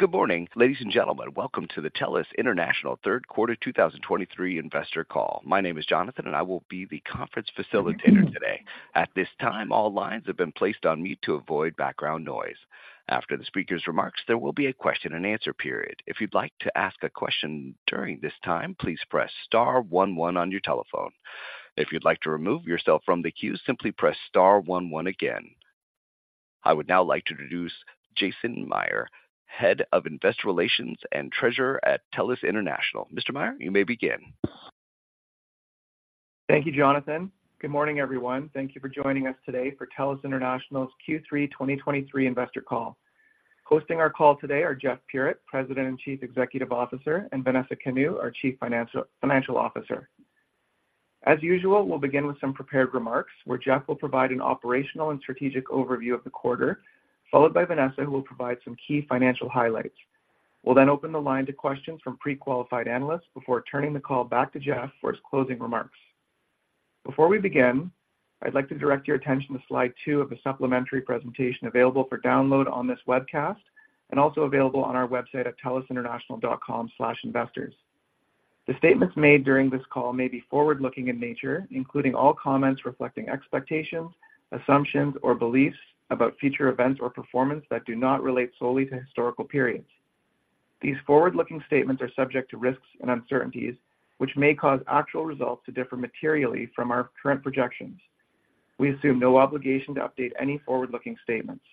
Good morning, ladies and gentlemen. Welcome to the TELUS International Q3 2023 Investor Call. My name is Jonathan, and I will be the conference facilitator today. At this time, all lines have been placed on mute to avoid background noise. After the speaker's remarks, there will be a question and answer period. If you'd like to ask a question during this time, please press star one one on your telephone. If you'd like to remove yourself from the queue, simply press star one one again. I would now like to introduce Jason Mayr, Head of Investor Relations and Treasurer at TELUS International. Mr. Mayr, you may begin. Thank you, Jonathan. Good morning, everyone. Thank you for joining us today for TELUS International's Q3 2023 investor call. Hosting our call today are Jeff Puritt, President and Chief Executive Officer, and Vanessa Kanu, our Chief Financial Officer. As usual, we'll begin with some prepared remarks, where Jeff will provide an operational and strategic overview of the quarter, followed by Vanessa, who will provide some key financial highlights. We'll then open the line to questions from pre-qualified analysts before turning the call back to Jeff for his closing remarks. Before we begin, I'd like to direct your attention to slide two of the supplementary presentation available for download on this webcast, and also available on our website at telusinternational.com/investors. The statements made during this call may be forward-looking in nature, including all comments reflecting expectations, assumptions, or beliefs about future events or performance that do not relate solely to historical periods. These forward-looking statements are subject to risks and uncertainties, which may cause actual results to differ materially from our current projections. We assume no obligation to update any forward-looking statements.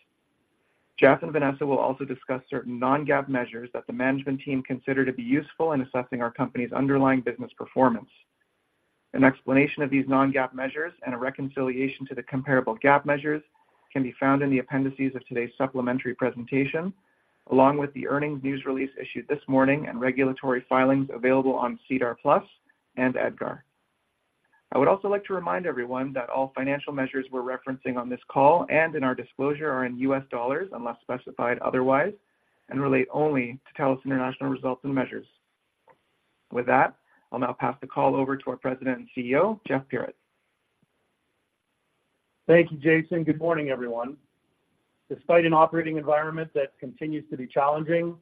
Jeff and Vanessa will also discuss certain non-GAAP measures that the management team consider to be useful in assessing our company's underlying business performance. An explanation of these non-GAAP measures and a reconciliation to the comparable GAAP measures can be found in the appendices of today's supplementary presentation, along with the earnings news release issued this morning and regulatory filings available on SEDAR+ and EDGAR. I would also like to remind everyone that all financial measures we're referencing on this call and in our disclosure are in U.S. dollars, unless specified otherwise, and relate only to TELUS International results and measures. With that, I'll now pass the call over to our President and CEO, Jeff Puritt. Thank you, Jason. Good morning, everyone. Despite an operating environment that continues to be challenging,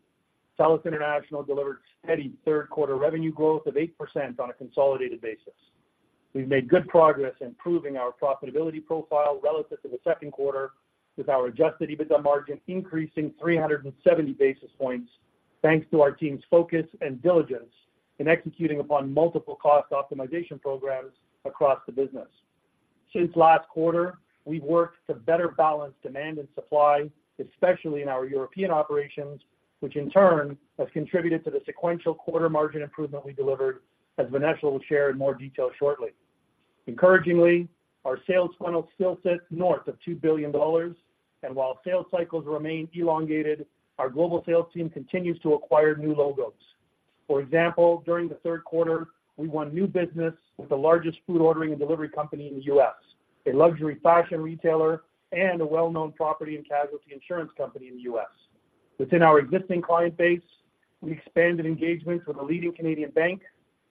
TELUS International delivered steady Q3 revenue growth of 8% on a consolidated basis. We've made good progress improving our profitability profile relative to the Q2, with our adjusted EBITDA margin increasing 370 basis points, thanks to our team's focus and diligence in executing upon multiple cost optimization programs across the business. Since last quarter, we've worked to better balance demand and supply, especially in our European operations, which in turn has contributed to the sequential quarter margin improvement we delivered, as Vanessa will share in more detail shortly. Encouragingly, our sales funnel still sits north of $2 billion, and while sales cycles remain elongated, our global sales team continues to acquire new logos. For example, during the Q3, we won new business with the largest food ordering and delivery company in the U.S., a luxury fashion retailer, and a well-known property and casualty insurance company in the U.S. Within our existing client base, we expanded engagements with a leading Canadian bank,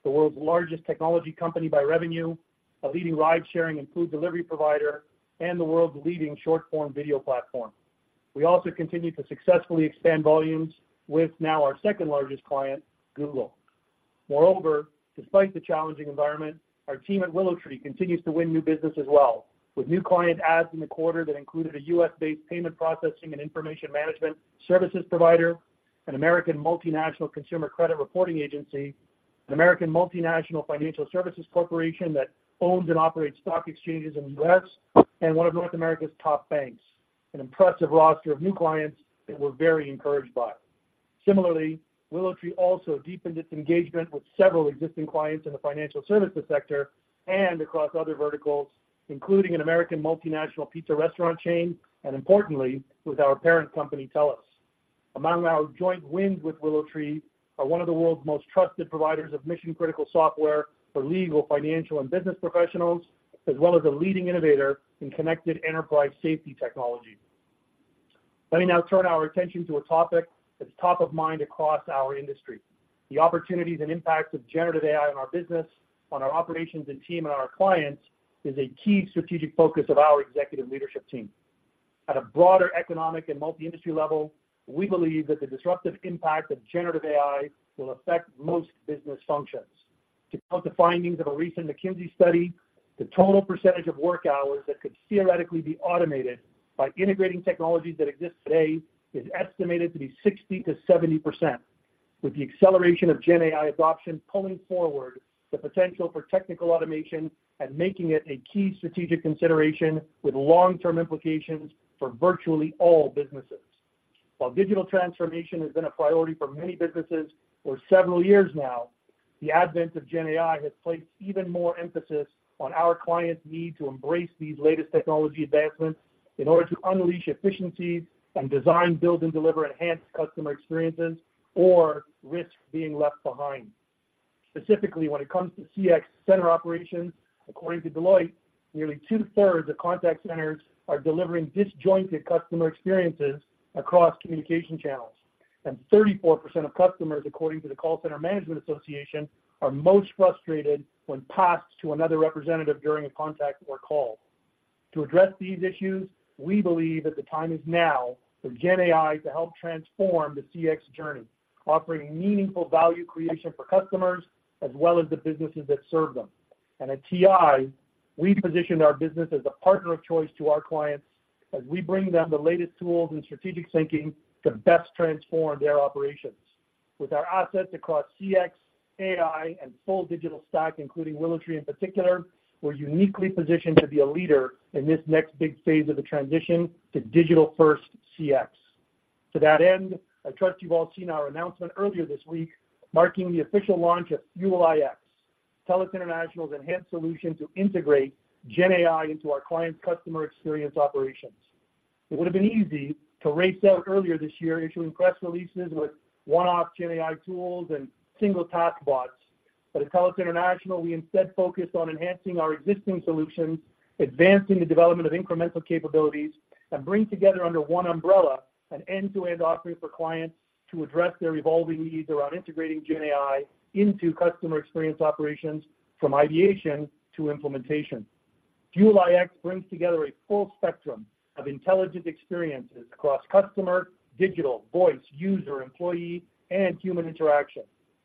the world's largest technology company by revenue, a leading ride-sharing and food delivery provider, and the world's leading short-form video platform. We also continued to successfully expand volumes with now our second-largest client, Google. Moreover, despite the challenging environment, our team at WillowTree continues to win new business as well, with new client adds in the quarter that included a U.S.-based payment processing and information management services provider, an American multinational consumer credit reporting agency, an American multinational financial services corporation that owns and operates stock exchanges in the U.S., and one of North America's top banks, an impressive roster of new clients that we're very encouraged by. Similarly, WillowTree also deepened its engagement with several existing clients in the financial services sector and across other verticals, including an American multinational pizza restaurant chain, and importantly, with our parent company, TELUS. Among our joint wins with WillowTree are one of the world's most trusted providers of mission-critical software for legal, financial, and business professionals, as well as a leading innovator in connected enterprise safety technology. Let me now turn our attention to a topic that's top of mind across our industry. The opportunities and impacts of generative AI on our business, on our operations and team, and our clients, is a key strategic focus of our executive leadership team. At a broader economic and multi-industry level, we believe that the disruptive impact of generative AI will affect most business functions. To quote the findings of a recent McKinsey study, the total percentage of work hours that could theoretically be automated by integrating technologies that exist today is estimated to be 60%-70%, with the acceleration of Gen AI adoption pulling forward the potential for technical automation and making it a key strategic consideration with long-term implications for virtually all businesses. While digital transformation has been a priority for many businesses for several years now, the advent of GenAI has placed even more emphasis on our clients' need to embrace these latest technology advancements in order to unleash efficiencies and design, build, and deliver enhanced customer experiences or risk being left behind. Specifically, when it comes to CX center operations, according to Deloitte, nearly two-thirds of contact centers are delivering disjointed customer experiences across communication channels, and 34% of customers, according to the Call Center Management Association, are most frustrated when passed to another representative during a contact or call. To address these issues, we believe that the time is now for GenAI to help transform the CX journey, offering meaningful value creation for customers as well as the businesses that serve them. At TI, we position our business as a partner of choice to our clients as we bring them the latest tools and strategic thinking to best transform their operations. With our assets across CX, AI, and full digital stack, including WillowTree in particular, we're uniquely positioned to be a leader in this next big phase of the transition to digital-first CX. To that end, I trust you've all seen our announcement earlier this week, marking the official launch of Fuel iX, TELUS International's enhanced solution to integrate GenAI into our clients' customer experience operations. It would have been easy to race out earlier this year issuing press releases with one-off GenAI tools and single task bots. But at TELUS International, we instead focused on enhancing our existing solutions, advancing the development of incremental capabilities, and bring together under one umbrella an end-to-end offering for clients to address their evolving needs around integrating GenAI into customer experience operations from ideation to implementation. Fuel iX brings together a full spectrum of intelligent experiences across customer, digital, voice, user, employee, and human interaction.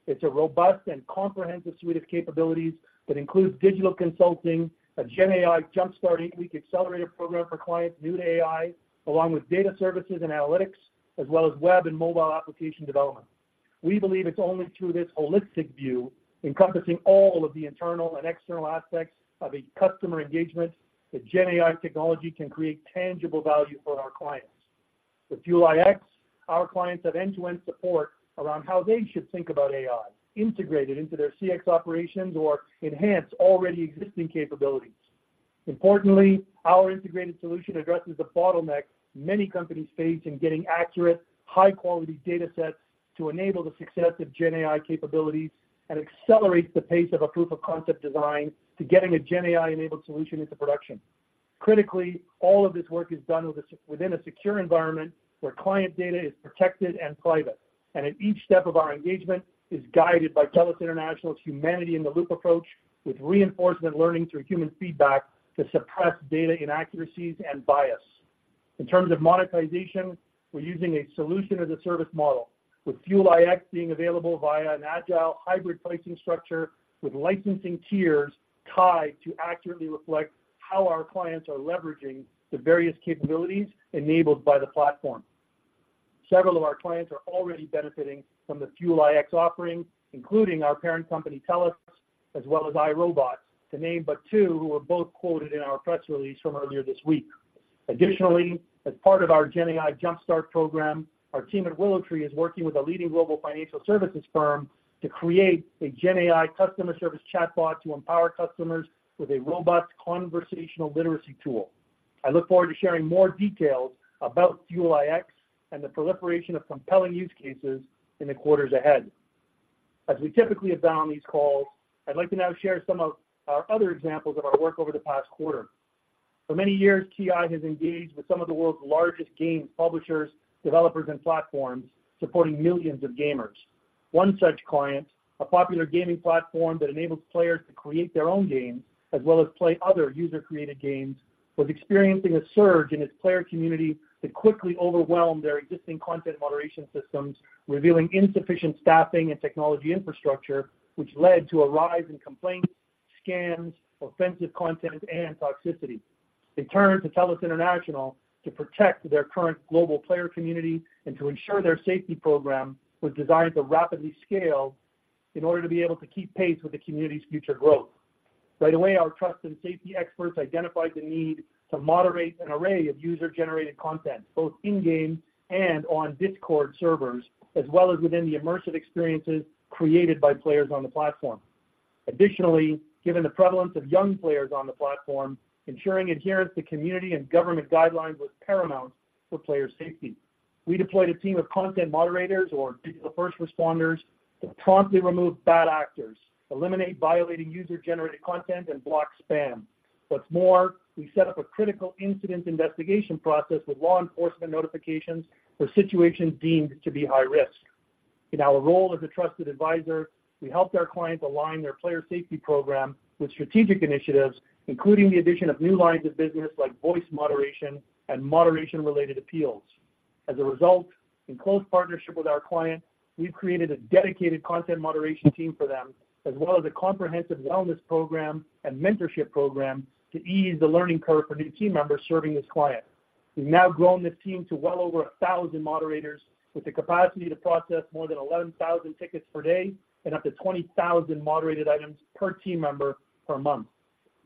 It's a robust and comprehensive suite of capabilities that includes digital consulting, a GenAI Jumpstart eight-week accelerator program for clients new to AI, along with data services and analytics, as well as web and mobile application development. We believe it's only through this holistic view, encompassing all of the internal and external aspects of a customer engagement, that GenAI technology can create tangible value for our clients. With Fuel iX, our clients have end-to-end support around how they should think about AI, integrated into their CX operations or enhance already existing capabilities. Importantly, our integrated solution addresses the bottleneck many companies face in getting accurate, high-quality datasets to enable the success of GenAI capabilities and accelerates the pace of a proof of concept design to getting a GenAI-enabled solution into production. Critically, all of this work is done within a secure environment where client data is protected and private, and at each step of our engagement is guided by TELUS International's humanity-in-the-loop approach, with reinforcement learning through human feedback to suppress data inaccuracies and bias. In terms of monetization, we're using a solution-as-a-service model, with Fuel iX being available via an agile hybrid pricing structure with licensing tiers tied to accurately reflect how our clients are leveraging the various capabilities enabled by the platform. Several of our clients are already benefiting from the Fuel iX offering, including our parent company, TELUS, as well as iRobot, to name but two, who were both quoted in our press release from earlier this week. Additionally, as part of our GenAI Jumpstart program, our team at WillowTree is working with a leading global financial services firm to create a GenAI customer service chatbot to empower customers with a robust conversational literacy tool. I look forward to sharing more details about Fuel iX and the proliferation of compelling use cases in the quarters ahead. As we typically have done on these calls, I'd like to now share some of our other examples of our work over the past quarter. For many years, TI has engaged with some of the world's largest game publishers, developers, and platforms, supporting millions of gamers. One such client, a popular gaming platform that enables players to create their own games, as well as play other user-created games, was experiencing a surge in its player community that quickly overwhelmed their existing content moderation systems, revealing insufficient staffing and technology infrastructure, which led to a rise in complaints, scams, offensive content, and toxicity. They turned to TELUS International to protect their current global player community and to ensure their safety program was designed to rapidly scale in order to be able to keep pace with the community's future growth. Right away, our trust and safety experts identified the need to moderate an array of user-generated content, both in-game and on Discord servers, as well as within the immersive experiences created by players on the platform. Additionally, given the prevalence of young players on the platform, ensuring adherence to community and government guidelines was paramount for player safety. We deployed a team of content moderators or digital first responders to promptly remove bad actors, eliminate violating user-generated content, and block spam. What's more, we set up a critical incident investigation process with law enforcement notifications for situations deemed to be high risk. In our role as a trusted advisor, we helped our clients align their player safety program with strategic initiatives, including the addition of new lines of business like voice moderation and moderation-related appeals. As a result, in close partnership with our client, we've created a dedicated content moderation team for them, as well as a comprehensive wellness program and mentorship program to ease the learning curve for new team members serving this client. We've now grown this team to well over 1,000 moderators, with the capacity to process more than 11,000 tickets per day and up to 20,000 moderated items per team member per month.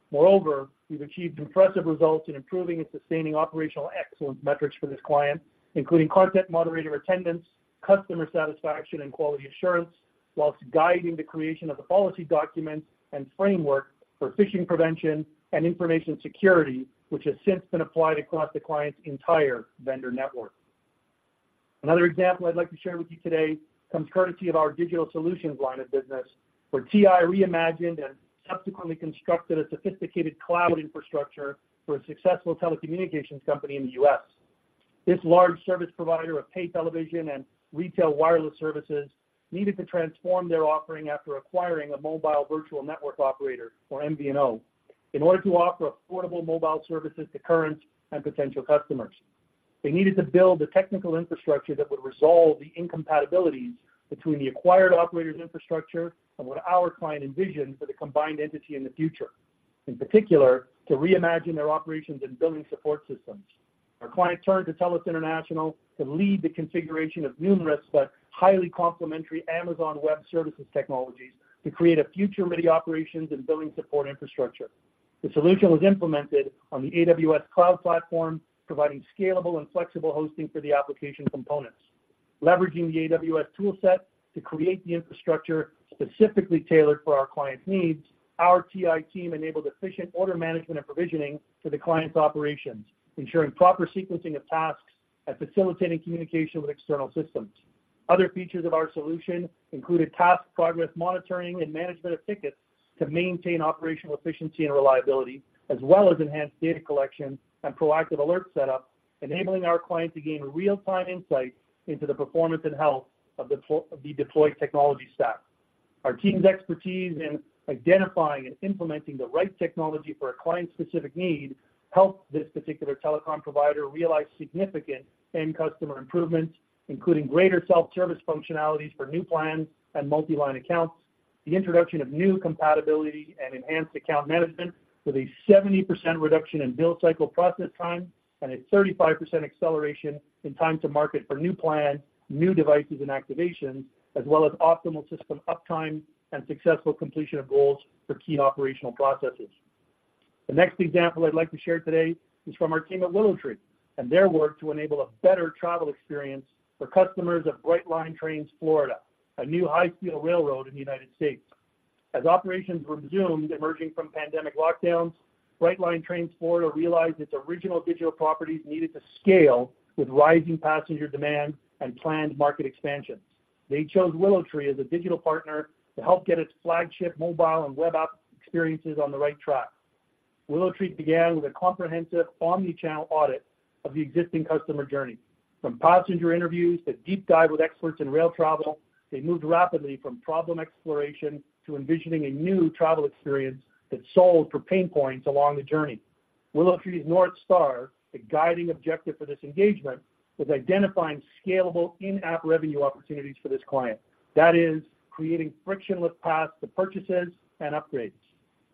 Moreover, we've achieved impressive results in improving and sustaining operational excellence metrics for this client, including content moderator attendance, customer satisfaction, and quality assurance, while guiding the creation of the policy document and framework for phishing prevention and information security, which has since been applied across the client's entire vendor network. Another example I'd like to share with you today comes courtesy of our digital solutions line of business, where TI reimagined and subsequently constructed a sophisticated cloud infrastructure for a successful telecommunications company in the U.S.... This large service provider of pay television and retail wireless services needed to transform their offering after acquiring a mobile virtual network operator, or MVNO, in order to offer affordable mobile services to current and potential customers. They needed to build a technical infrastructure that would resolve the incompatibilities between the acquired operator's infrastructure and what our client envisioned for the combined entity in the future. In particular, to reimagine their operations and billing support systems. Our client turned to TELUS International to lead the configuration of numerous, but highly complementary Amazon Web Services technologies to create a future-ready operations and billing support infrastructure. The solution was implemented on the AWS cloud platform, providing scalable and flexible hosting for the application components. Leveraging the AWS tool set to create the infrastructure specifically tailored for our client's needs, our TI team enabled efficient order management and provisioning to the client's operations, ensuring proper sequencing of tasks and facilitating communication with external systems. Other features of our solution included task progress monitoring and management of tickets to maintain operational efficiency and reliability, as well as enhanced data collection and proactive alert setup, enabling our client to gain real-time insights into the performance and health of the deployed technology stack. Our team's expertise in identifying and implementing the right technology for a client's specific need helped this particular telecom provider realize significant end customer improvements, including greater self-service functionalities for new plans and multi-line accounts, the introduction of new compatibility and enhanced account management with a 70% reduction in bill cycle process time, and a 35% acceleration in time to market for new plans, new devices, and activations, as well as optimal system uptime and successful completion of goals for key operational processes. The next example I'd like to share today is from our team at WillowTree, and their work to enable a better travel experience for customers of Brightline Trains Florida, a new high-speed railroad in the United States. As operations resumed emerging from pandemic lockdowns, Brightline Trains Florida realized its original digital properties needed to scale with rising passenger demand and planned market expansion. They chose WillowTree as a digital partner to help get its flagship mobile and web app experiences on the right track. WillowTree began with a comprehensive omni-channel audit of the existing customer journey. From passenger interviews to deep dive with experts in rail travel, they moved rapidly from problem exploration to envisioning a new travel experience that solved for pain points along the journey. WillowTree's North Star, the guiding objective for this engagement, was identifying scalable in-app revenue opportunities for this client. That is, creating frictionless paths to purchases and upgrades.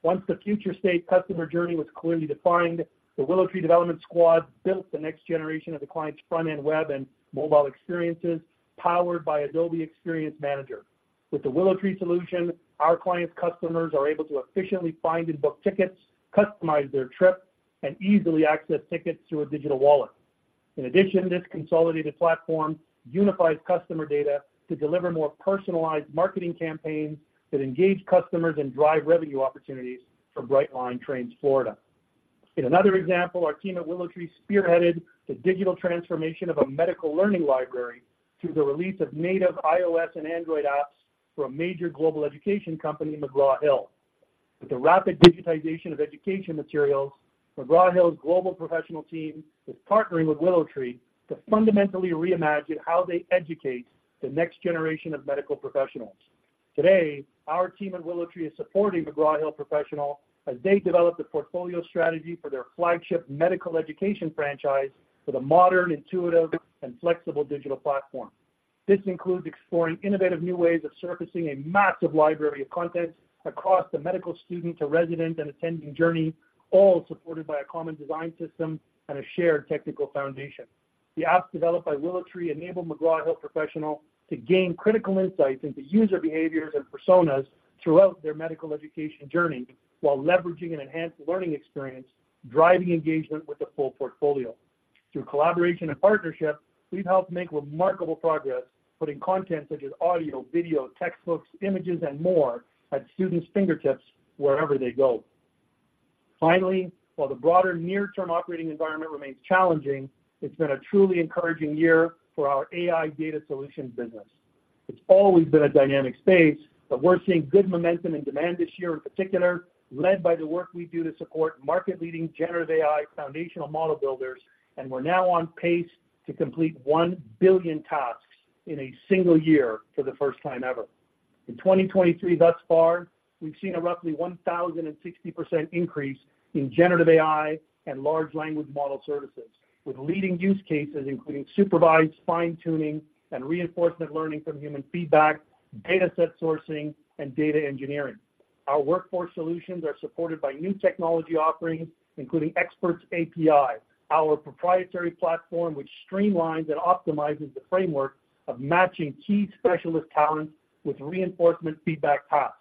Once the future state customer journey was clearly defined, the WillowTree development squad built the next generation of the client's front-end web and mobile experiences, powered by Adobe Experience Manager. With the WillowTree solution, our client's customers are able to efficiently find and book tickets, customize their trip, and easily access tickets through a digital wallet. In addition, this consolidated platform unifies customer data to deliver more personalized marketing campaigns that engage customers and drive revenue opportunities for Brightline Trains Florida. In another example, our team at WillowTree spearheaded the digital transformation of a medical learning library through the release of native iOS and Android apps for a major global education company, McGraw Hill. With the rapid digitization of education materials, McGraw Hill's global professional team is partnering with WillowTree to fundamentally reimagine how they educate the next generation of medical professionals. Today, our team at WillowTree is supporting McGraw Hill Professional as they develop the portfolio strategy for their flagship medical education franchise with a modern, intuitive, and flexible digital platform. This includes exploring innovative new ways of surfacing a massive library of content across the medical student to resident and attending journey, all supported by a common design system and a shared technical foundation. The apps developed by WillowTree enable McGraw Hill Professional to gain critical insights into user behaviors and personas throughout their medical education journey, while leveraging an enhanced learning experience, driving engagement with the full portfolio. Through collaboration and partnership, we've helped make remarkable progress, putting content such as audio, video, textbooks, images, and more at students' fingertips wherever they go. Finally, while the broader near-term operating environment remains challenging, it's been a truly encouraging year for our AI data solutions business. It's always been a dynamic space, but we're seeing good momentum and demand this year in particular, led by the work we do to support market-leading generative AI foundational model builders, and we're now on pace to complete 1 billion tasks in a single year for the first time ever. In 2023, thus far, we've seen a roughly 1,060% increase in generative AI and large language model services, with leading use cases including supervised fine-tuning and reinforcement learning from human feedback, data set sourcing, and data engineering. Our workforce solutions are supported by new technology offerings, including Experts API, our proprietary platform, which streamlines and optimizes the framework of matching key specialist talent with reinforcement feedback tasks.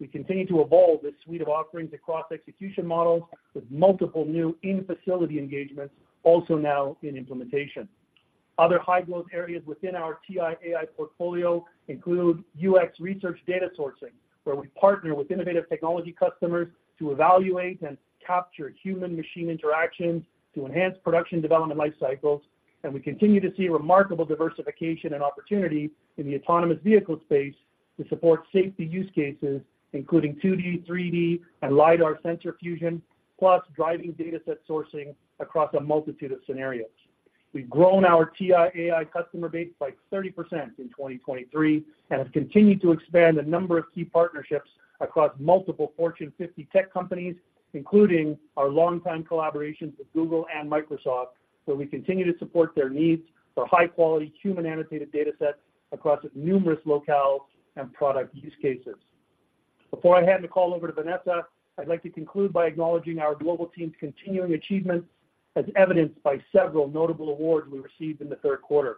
We continue to evolve this suite of offerings across execution models with multiple new in-facility engagements also now in implementation. Other high-growth areas within our TI AI portfolio include UX research data sourcing, where we partner with innovative technology customers to evaluate and capture human machine interactions to enhance production development life cycles, and we continue to see remarkable diversification and opportunity in the autonomous vehicle space to support safety use cases, including 2D, 3D, and LiDAR sensor fusion, plus driving data set sourcing across a multitude of scenarios. We've grown our TI AI customer base by 30% in 2023, and have continued to expand the number of key partnerships across multiple Fortune 50 tech companies, including our longtime collaborations with Google and Microsoft, where we continue to support their needs for high-quality, human-annotated datasets across numerous locales and product use cases. Before I hand the call over to Vanessa, I'd like to conclude by acknowledging our global team's continuing achievements, as evidenced by several notable awards we received in the Q3.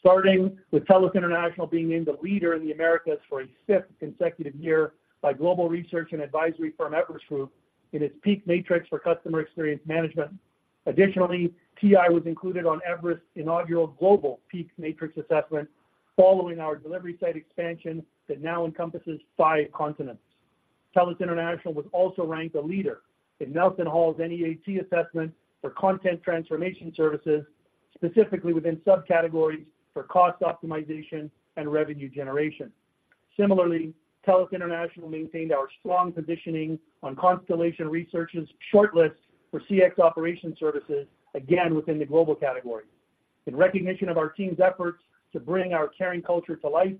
Starting with TELUS International being named the leader in the Americas for a fifth consecutive year by global research and advisory firm Everest Group in its PEAK Matrix for Customer Experience Management. Additionally, TI was included on Everest's inaugural Global PEAK Matrix assessment, following our delivery site expansion that now encompasses five continents. TELUS International was also ranked a leader in NelsonHall's NEAT assessment for content transformation services, specifically within subcategories for cost optimization and revenue generation. Similarly, TELUS International maintained our strong positioning on Constellation Research's shortlist for CX operations services, again within the global category. In recognition of our team's efforts to bring our caring culture to life,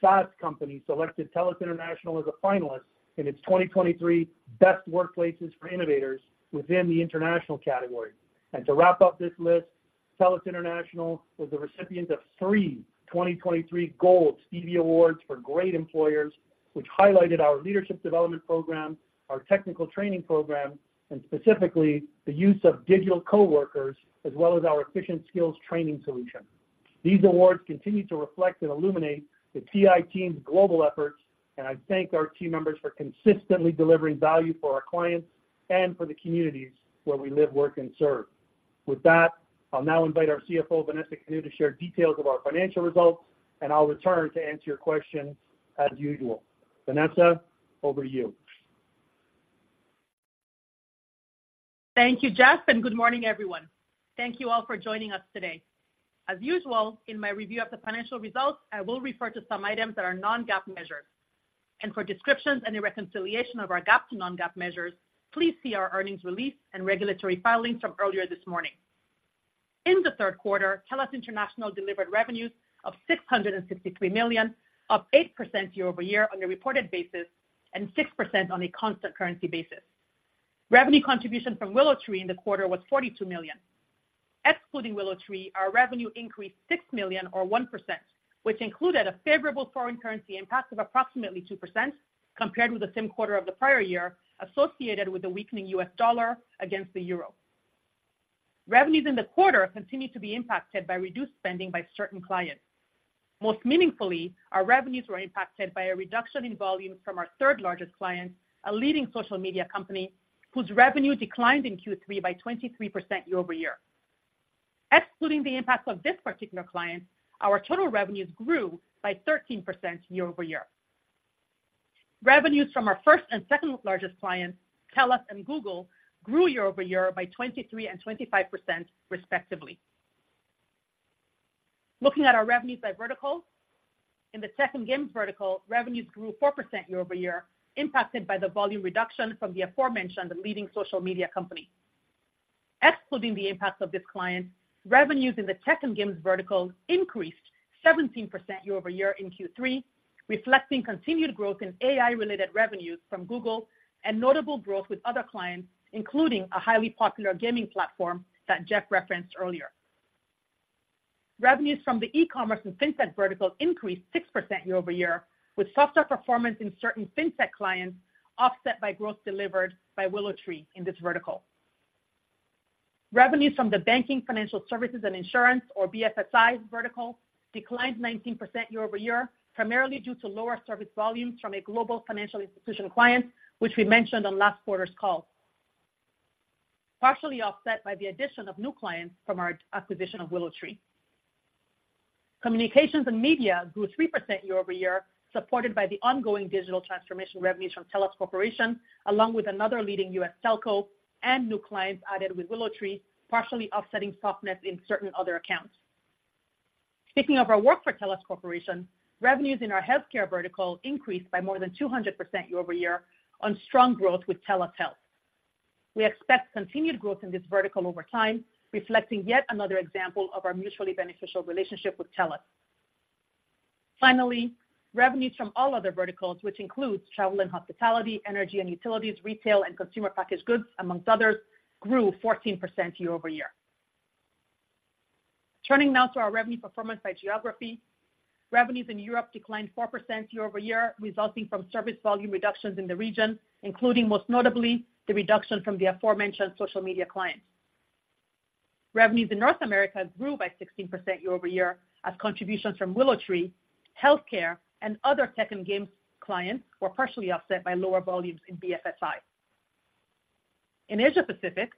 Fast Company selected TELUS International as a finalist in its 2023 Best Workplaces for Innovators within the international category. To wrap up this list, TELUS International was the recipient of three 2023 Gold Stevie Awards for great employers, which highlighted our leadership development program, our technical training program, and specifically, the use of digital coworkers, as well as our efficient skills training solution. These awards continue to reflect and illuminate the TI team's global efforts, and I thank our team members for consistently delivering value for our clients and for the communities where we live, work, and serve. With that, I'll now invite our CFO, Vanessa Kanu, to share details of our financial results, and I'll return to answer your questions as usual. Vanessa, over to you. Thank you, Jeff, and good morning, everyone. Thank you all for joining us today. As usual, in my review of the financial results, I will refer to some items that are non-GAAP measures. For descriptions and a reconciliation of our GAAP to non-GAAP measures, please see our earnings release and regulatory filings from earlier this morning. In the Q3, TELUS International delivered revenues of $663 million, up 8% year-over-year on a reported basis, and 6% on a constant currency basis. Revenue contribution from WillowTree in the quarter was $42 million. Excluding WillowTree, our revenue increased $6 million or 1%, which included a favorable foreign currency impact of approximately 2% compared with the same quarter of the prior year, associated with the weakening U.S. dollar against the euro. Revenues in the quarter continued to be impacted by reduced spending by certain clients. Most meaningfully, our revenues were impacted by a reduction in volume from our third-largest client, a leading social media company, whose revenue declined in Q3 by 23% year-over-year. Excluding the impact of this particular client, our total revenues grew by 13% year-over-year. Revenues from our first and second largest clients, TELUS and Google, grew year-over-year by 23% and 25% respectively. Looking at our revenues by vertical, in the tech and games vertical, revenues grew 4% year-over-year, impacted by the volume reduction from the aforementioned leading social media company. Excluding the impact of this client, revenues in the tech and games vertical increased 17% year-over-year in Q3, reflecting continued growth in AI-related revenues from Google and notable growth with other clients, including a highly popular gaming platform that Jeff referenced earlier. Revenues from the e-commerce and fintech vertical increased 6% year-over-year, with softer performance in certain fintech clients, offset by growth delivered by WillowTree in this vertical. Revenues from the banking, financial services, and insurance, or BFSI vertical, declined 19% year-over-year, primarily due to lower service volumes from a global financial institution client, which we mentioned on last quarter's call. Partially offset by the addition of new clients from our acquisition of WillowTree. Communications and media grew 3% year-over-year, supported by the ongoing digital transformation revenues from TELUS Corporation, along with another leading U.S. telco and new clients added with WillowTree, partially offsetting softness in certain other accounts. Speaking of our work for TELUS Corporation, revenues in our healthcare vertical increased by more than 200% year-over-year on strong growth with TELUS Health. We expect continued growth in this vertical over time, reflecting yet another example of our mutually beneficial relationship with TELUS. Finally, revenues from all other verticals, which includes travel and hospitality, energy and utilities, retail and consumer packaged goods, amongst others, grew 14% year-over-year. Turning now to our revenue performance by geography. Revenues in Europe declined 4% year-over-year, resulting from service volume reductions in the region, including, most notably, the reduction from the aforementioned social media client. Revenues in North America grew by 16% year-over-year, as contributions from WillowTree, healthcare, and other tech and games clients were partially offset by lower volumes in BFSI. In Asia Pacific,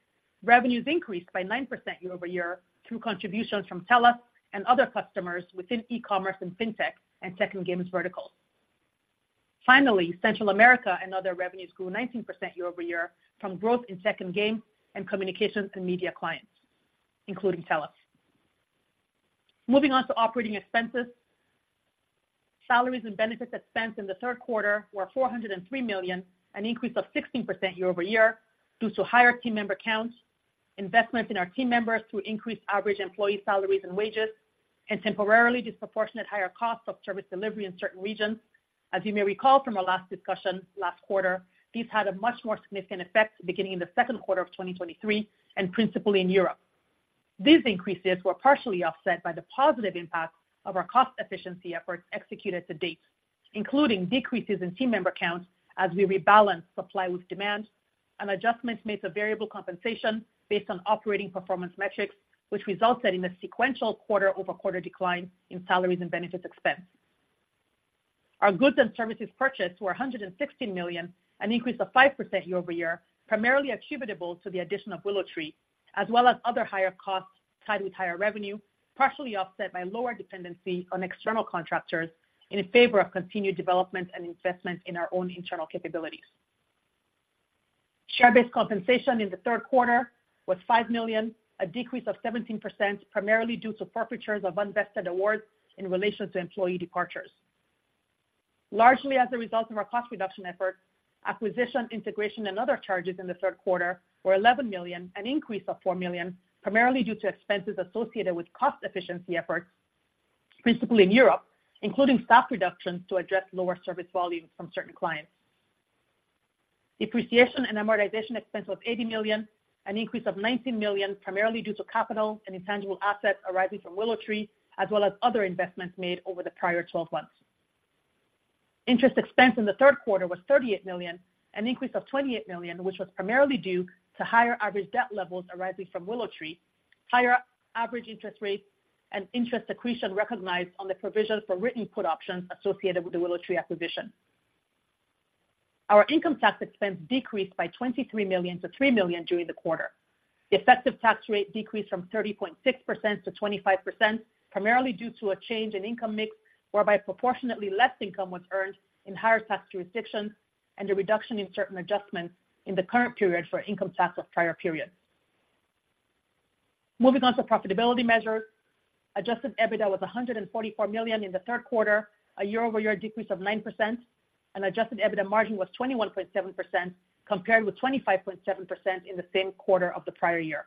revenues increased by 9% year-over-year, through contributions from TELUS and other customers within e-commerce and fintech, and tech and games verticals. Finally, Central America and other revenues grew 19% year-over-year from growth in tech and game and communications and media clients, including TELUS. Moving on to operating expenses. Salaries and benefits expense in the Q3 were $403 million, an increase of 16% year-over-year, due to higher team member counts, investments in our team members through increased average employee salaries and wages, and temporarily disproportionate higher costs of service delivery in certain regions. As you may recall from our last discussion last quarter, these had a much more significant effect beginning in the Q2 of 2023, and principally in Europe. These increases were partially offset by the positive impact of our cost efficiency efforts executed to date, including decreases in team member counts as we rebalance supply with demand, and adjustments made to variable compensation based on operating performance metrics, which resulted in a sequential quarter-over-quarter decline in salaries and benefits expense. Our goods and services purchased were $160 million, an increase of 5% year-over-year, primarily attributable to the addition of WillowTree, as well as other higher costs tied with higher revenue, partially offset by lower dependency on external contractors in favor of continued development and investment in our own internal capabilities. Share-based compensation in the Q2 was $5 million, a decrease of 17%, primarily due to forfeitures of unvested awards in relation to employee departures. Largely as a result of our cost reduction efforts, acquisition, integration, and other charges in the Q3 were $11 million, an increase of $4 million, primarily due to expenses associated with cost efficiency efforts, principally in Europe, including staff reductions to address lower service volumes from certain clients. Depreciation and amortization expense was $80 million, an increase of $19 million, primarily due to capital and intangible assets arising from WillowTree, as well as other investments made over the prior 12 months. Interest expense in the Q3 was $38 million, an increase of $28 million, which was primarily due to higher average debt levels arising from WillowTree, higher average interest rates, and interest accretion recognized on the provision for written put options associated with the WillowTree acquisition. Our income tax expense decreased by $23 million to $3 million during the quarter. The effective tax rate decreased from 30.6% to 25%, primarily due to a change in income mix, whereby proportionately less income was earned in higher tax jurisdictions and a reduction in certain adjustments in the current period for income tax of prior periods. Moving on to profitability measures. Adjusted EBITDA was $144 million in the Q3, a year-over-year decrease of 9%, and adjusted EBITDA margin was 21.7%, compared with 25.7% in the same quarter of the prior year.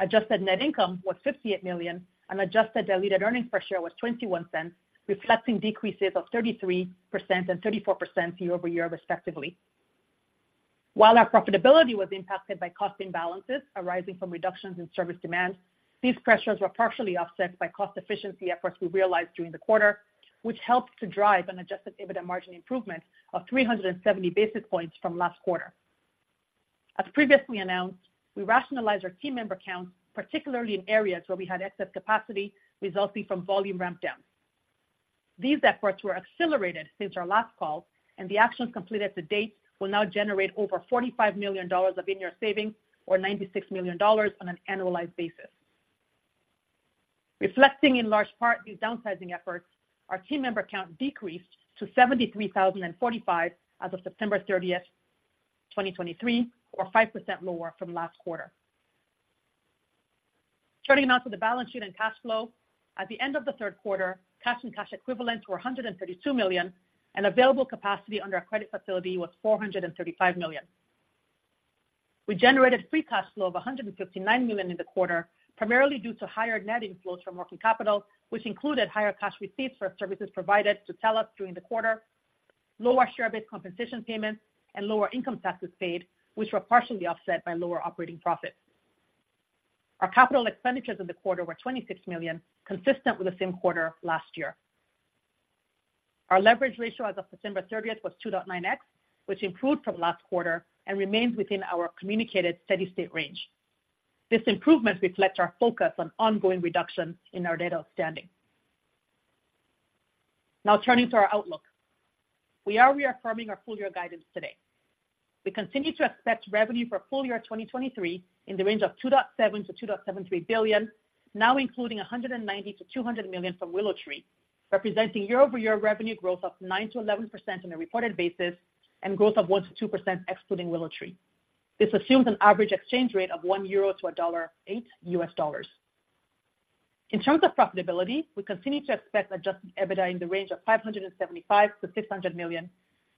Adjusted net income was $58 million and adjusted diluted earnings per share was $0.21, reflecting decreases of 33% and 34% year over year, respectively. While our profitability was impacted by cost imbalances arising from reductions in service demand, these pressures were partially offset by cost efficiency efforts we realized during the quarter, which helped to drive an adjusted EBITDA margin improvement of 370 basis points from last quarter. As previously announced, we rationalized our team member counts, particularly in areas where we had excess capacity resulting from volume ramp downs. These efforts were accelerated since our last call, and the actions completed to date will now generate over $45 million of in-year savings or $96 million on an annualized basis. Reflecting in large part these downsizing efforts, our team member count decreased to 73,045 as of September 30, 2023, or 5% lower from last quarter. Turning now to the balance sheet and cash flow. At the end of the Q3, cash and cash equivalents were $132 million, and available capacity under our credit facility was $435 million. We generated free cash flow of $159 million in the quarter, primarily due to higher net inflows from working capital, which included higher cash receipts for services provided to telcos during the quarter, lower share-based compensation payments, and lower income taxes paid, which were partially offset by lower operating profits. Our capital expenditures in the quarter were $26 million, consistent with the same quarter last year. Our leverage ratio as of September 30 was 2.9x, which improved from last quarter and remains within our communicated steady state range. This improvement reflects our focus on ongoing reduction in our debt outstanding. Now turning to our outlook. We are reaffirming our full-year guidance today. We continue to expect revenue for full year 2023 in the range of $2.7 billion-$2.73 billion, now including $190 million-$200 million from WillowTree, representing year-over-year revenue growth of 9%-11% on a reported basis and growth of 1%-2% excluding WillowTree. This assumes an average exchange rate of 1 euro to 1.08 US dollars. In terms of profitability, we continue to expect Adjusted EBITDA in the range of $575 million-$600 million,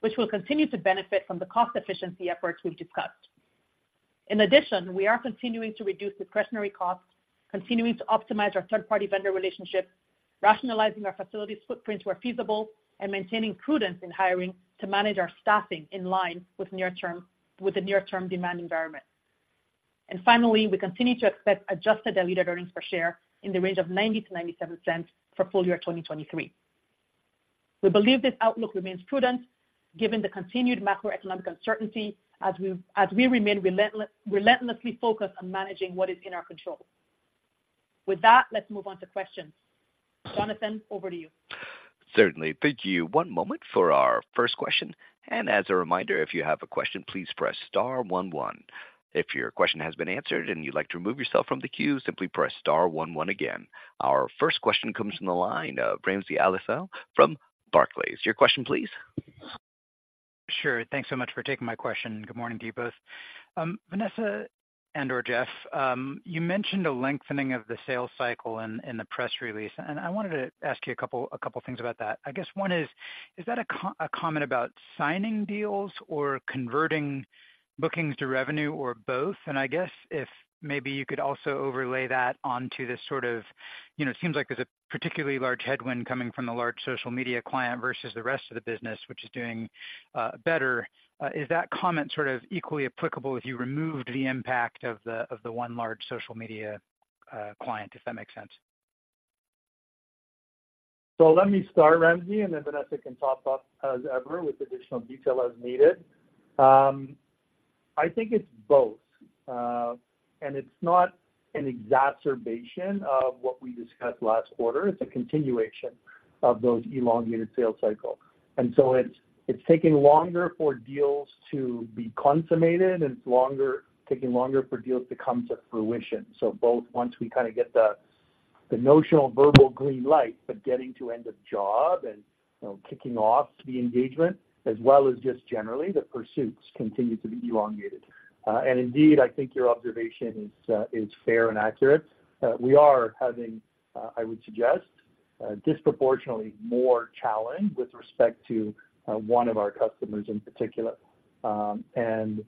which will continue to benefit from the cost efficiency efforts we've discussed. In addition, we are continuing to reduce discretionary costs, continuing to optimize our third-party vendor relationships, rationalizing our facilities footprint where feasible, and maintaining prudence in hiring to manage our staffing in line with the near-term demand environment. Finally, we continue to expect adjusted diluted earnings per share in the range of $0.90-$0.97 for full year 2023. We believe this outlook remains prudent given the continued macroeconomic uncertainty as we remain relentlessly focused on managing what is in our control. With that, let's move on to questions. Jonathan, over to you. Certainly. Thank you. One moment for our first question, and as a reminder, if you have a question, please press star one one. If your question has been answered and you'd like to remove yourself from the queue, simply press star one one again. Our first question comes from the line of Ramsey El-Assal from Barclays. Your question, please.... Sure. Thanks so much for taking my question. Good morning to you both. Vanessa and or Jeff, you mentioned a lengthening of the sales cycle in the press release, and I wanted to ask you a couple things about that. I guess one is, is that a comment about signing deals or converting bookings to revenue or both? And I guess if maybe you could also overlay that onto this sort of, you know, it seems like there's a particularly large headwind coming from the large social media client versus the rest of the business, which is doing better. Is that comment sort of equally applicable if you removed the impact of the one large social media client, if that makes sense? So let me start, Ramsey, and then Vanessa can top up as ever with additional detail as needed. I think it's both. And it's not an exacerbation of what we discussed last quarter, it's a continuation of those elongated sales cycle. And so it's taking longer for deals to be consummated, and it's taking longer for deals to come to fruition. So both once we kind of get the notional verbal green light, but getting to end of job and, you know, kicking off the engagement, as well as just generally, the pursuits continue to be elongated. And indeed, I think your observation is fair and accurate. We are having, I would suggest, disproportionately more challenge with respect to one of our customers in particular. And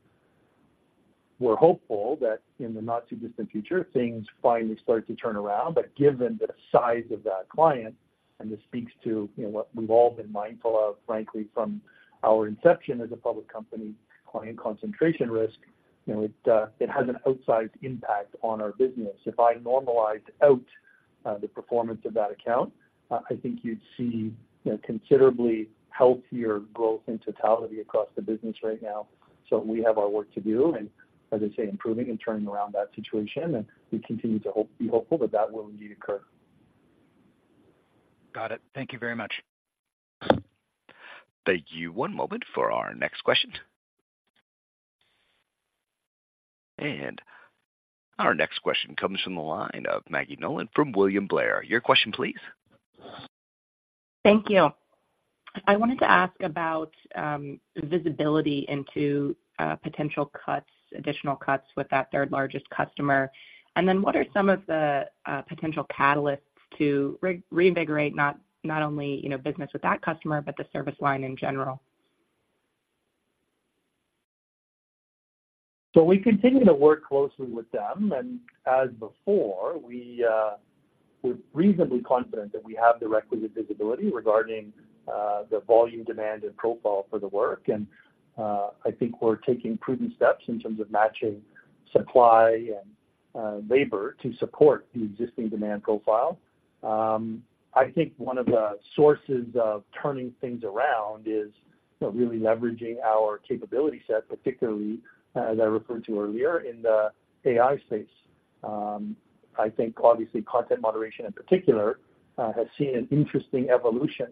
we're hopeful that in the not-too-distant future, things finally start to turn around, but given the size of that client, and this speaks to, you know, what we've all been mindful of, frankly, from our inception as a public company, client concentration risk, you know, it, it has an outsized impact on our business. If I normalized out the performance of that account, I think you'd see, you know, considerably healthier growth in totality across the business right now. So we have our work to do, and as I say, improving and turning around that situation, and we continue to be hopeful that that will indeed occur. Got it. Thank you very much. Thank you. One moment for our next question. And our next question comes from the line of Maggie Nolan from William Blair. Your question, please. Thank you. I wanted to ask about visibility into potential cuts, additional cuts with that third-largest customer. And then what are some of the potential catalysts to reinvigorate not only, you know, business with that customer, but the service line in general? So we continue to work closely with them, and as before, we, we're reasonably confident that we have the requisite visibility regarding the volume, demand, and profile for the work. I think we're taking prudent steps in terms of matching supply and labor to support the existing demand profile. I think one of the sources of turning things around is, you know, really leveraging our capability set, particularly, as I referred to earlier, in the AI space. I think obviously content moderation in particular has seen an interesting evolution,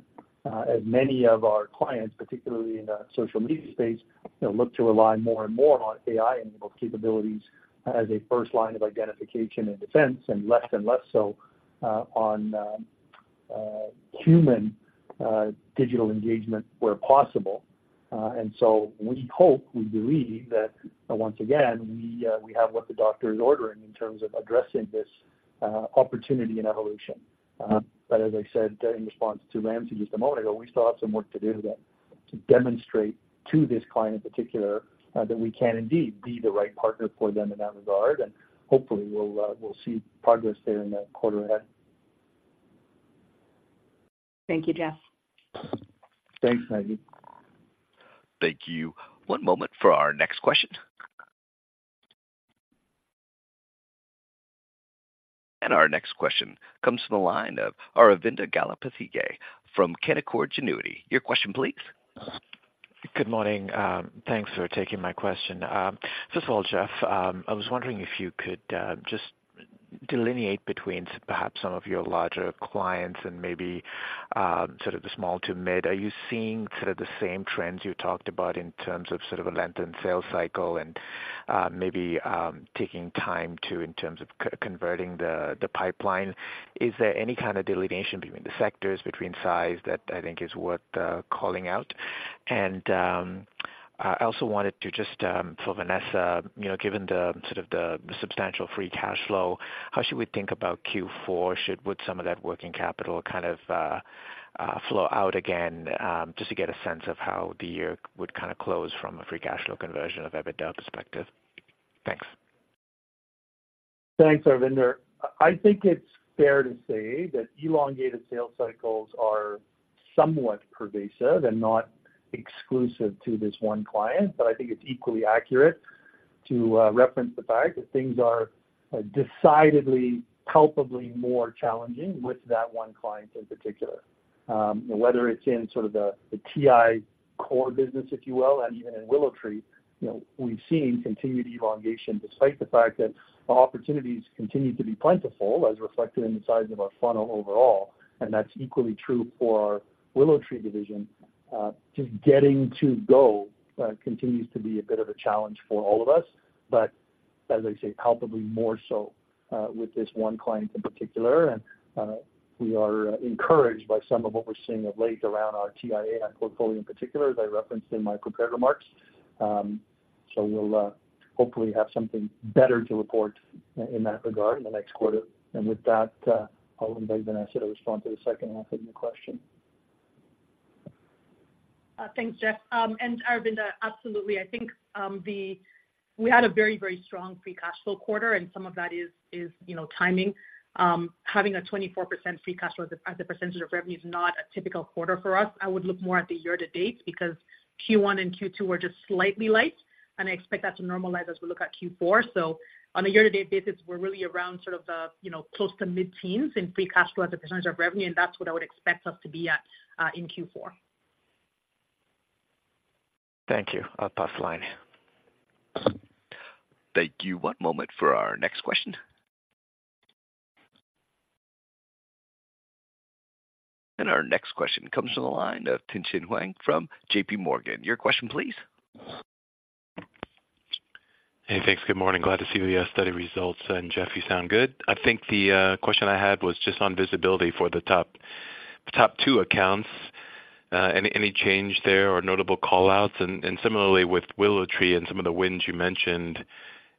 as many of our clients, particularly in the social media space, you know, look to rely more and more on AI-enabled capabilities as a first line of identification and defense, and less and less so on human digital engagement where possible. And so we hope, we believe that, once again, we have what the doctor is ordering in terms of addressing this opportunity and evolution. But as I said, in response to Ramsey just a moment ago, we still have some work to do to demonstrate to this client in particular that we can indeed be the right partner for them in that regard, and hopefully we'll see progress there in the quarter ahead. Thank you, Jeff. Thanks, Maggie. Thank you. One moment for our next question. Our next question comes from the line of Aravinda Galappatthige from Canaccord Genuity. Your question, please. Good morning. Thanks for taking my question. First of all, Jeff, I was wondering if you could just delineate between perhaps some of your larger clients and maybe sort of the small to mid. Are you seeing sort of the same trends you talked about in terms of sort of a lengthened sales cycle and maybe taking time, too, in terms of converting the pipeline? Is there any kind of delineation between the sectors, between size, that I think is worth calling out? I also wanted to just for Vanessa, you know, given the substantial free cash flow, how should we think about Q4? Should some of that working capital kind of flow out again? Just to get a sense of how the year would kind of close from a free cash flow conversion of EBITDA perspective. Thanks. Thanks, Aravinda. I think it's fair to say that elongated sales cycles are somewhat pervasive and not exclusive to this one client, but I think it's equally accurate to reference the fact that things are decidedly, palpably more challenging with that one client in particular. Whether it's in sort of the TI core business, if you will, and even in WillowTree, you know, we've seen continued elongation despite the fact that opportunities continue to be plentiful, as reflected in the size of our funnel overall, and that's equally true for our WillowTree division. Just getting to go continues to be a bit of a challenge for all of us, but as I say, palpably more so with this one client in particular. We are encouraged by some of what we're seeing of late around our TIA portfolio in particular, as I referenced in my prepared remarks. We'll hopefully have something better to report in that regard in the next quarter. With that, I'll invite Vanessa to respond to the second half of your question. Thanks, Jeff. And Aravinda, absolutely. I think, we had a very, very strong free cash flow quarter, and some of that is, is, you know, timing. Having a 24% free cash flow as a, as a percentage of revenue is not a typical quarter for us. I would look more at the year-to-date, because Q1 and Q2 were just slightly light, and I expect that to normalize as we look at Q4. So on a year-to-date basis, we're really around sort of the, you know, close to mid-teens in free cash flow as a percentage of revenue, and that's what I would expect us to be at in Q4. Thank you. I'll pause the line. Thank you. One moment for our next question. Our next question comes from the line of Tien-tsin Huang from J.P. Morgan. Your question, please. Hey, thanks. Good morning. Glad to see the study results, and Jeff, you sound good. I think the question I had was just on visibility for the top, the top two accounts. Any, any change there or notable call-outs? And, and similarly with WillowTree and some of the wins you mentioned,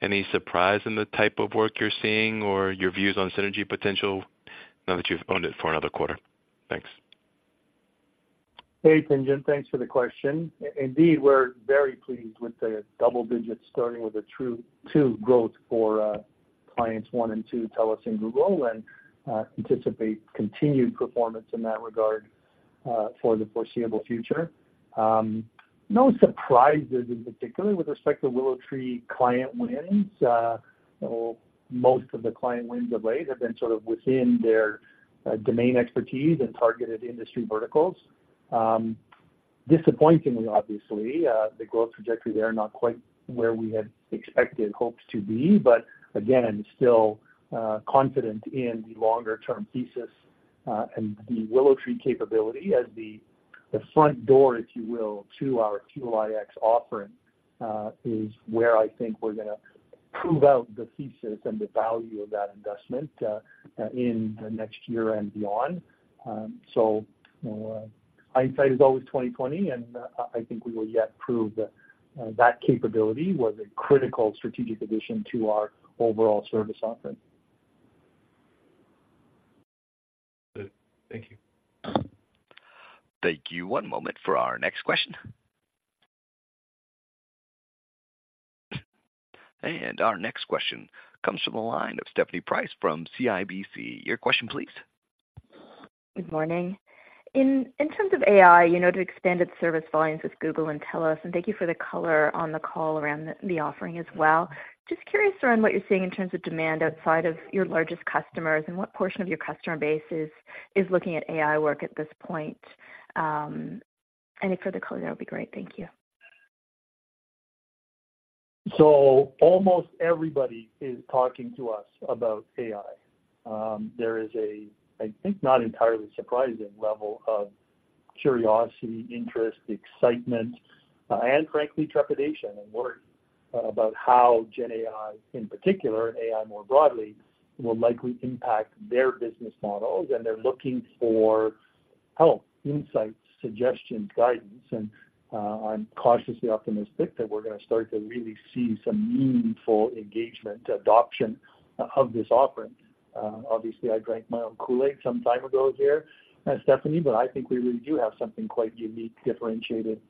any surprise in the type of work you're seeing or your views on synergy potential now that you've owned it for another quarter? Thanks. Hey, Tien-tsin, thanks for the question. Indeed, we're very pleased with the double digits, starting with the 22 growth for clients one and two, TELUS and Google, and anticipate continued performance in that regard for the foreseeable future. No surprises in particular with respect to WillowTree client wins. Most of the client wins of late have been sort of within their domain expertise and targeted industry verticals. Disappointingly, obviously, the growth trajectory there, not quite where we had expected, hoped to be, but again, still confident in the longer-term thesis, and the WillowTree capability as the front door, if you will, to our Fuel iX offering is where I think we're gonna prove out the thesis and the value of that investment in the next year and beyond. Hindsight is always 20/20, and I think we will yet prove that that capability was a critical strategic addition to our overall service offering. Good. Thank you. Thank you. One moment for our next question. Our next question comes from the line of Stephanie Price from CIBC. Your question, please. Good morning. In terms of AI, you know, to expand its service volumes with Google and TELUS, and thank you for the color on the call around the offering as well. Just curious around what you're seeing in terms of demand outside of your largest customers, and what portion of your customer base is looking at AI work at this point. Any further color, that would be great. Thank you. So almost everybody is talking to us about AI. There is a, I think, not entirely surprising level of curiosity, interest, excitement, and frankly, trepidation and worry about how GenAI, in particular, AI more broadly, will likely impact their business models. And they're looking for, well, insights, suggestions, guidance. I'm cautiously optimistic that we're gonna start to really see some meaningful engagement, adoption of this offering. Obviously, I drank my own Kool-Aid some time ago here, Stephanie, but I think we really do have something quite unique, differentiated,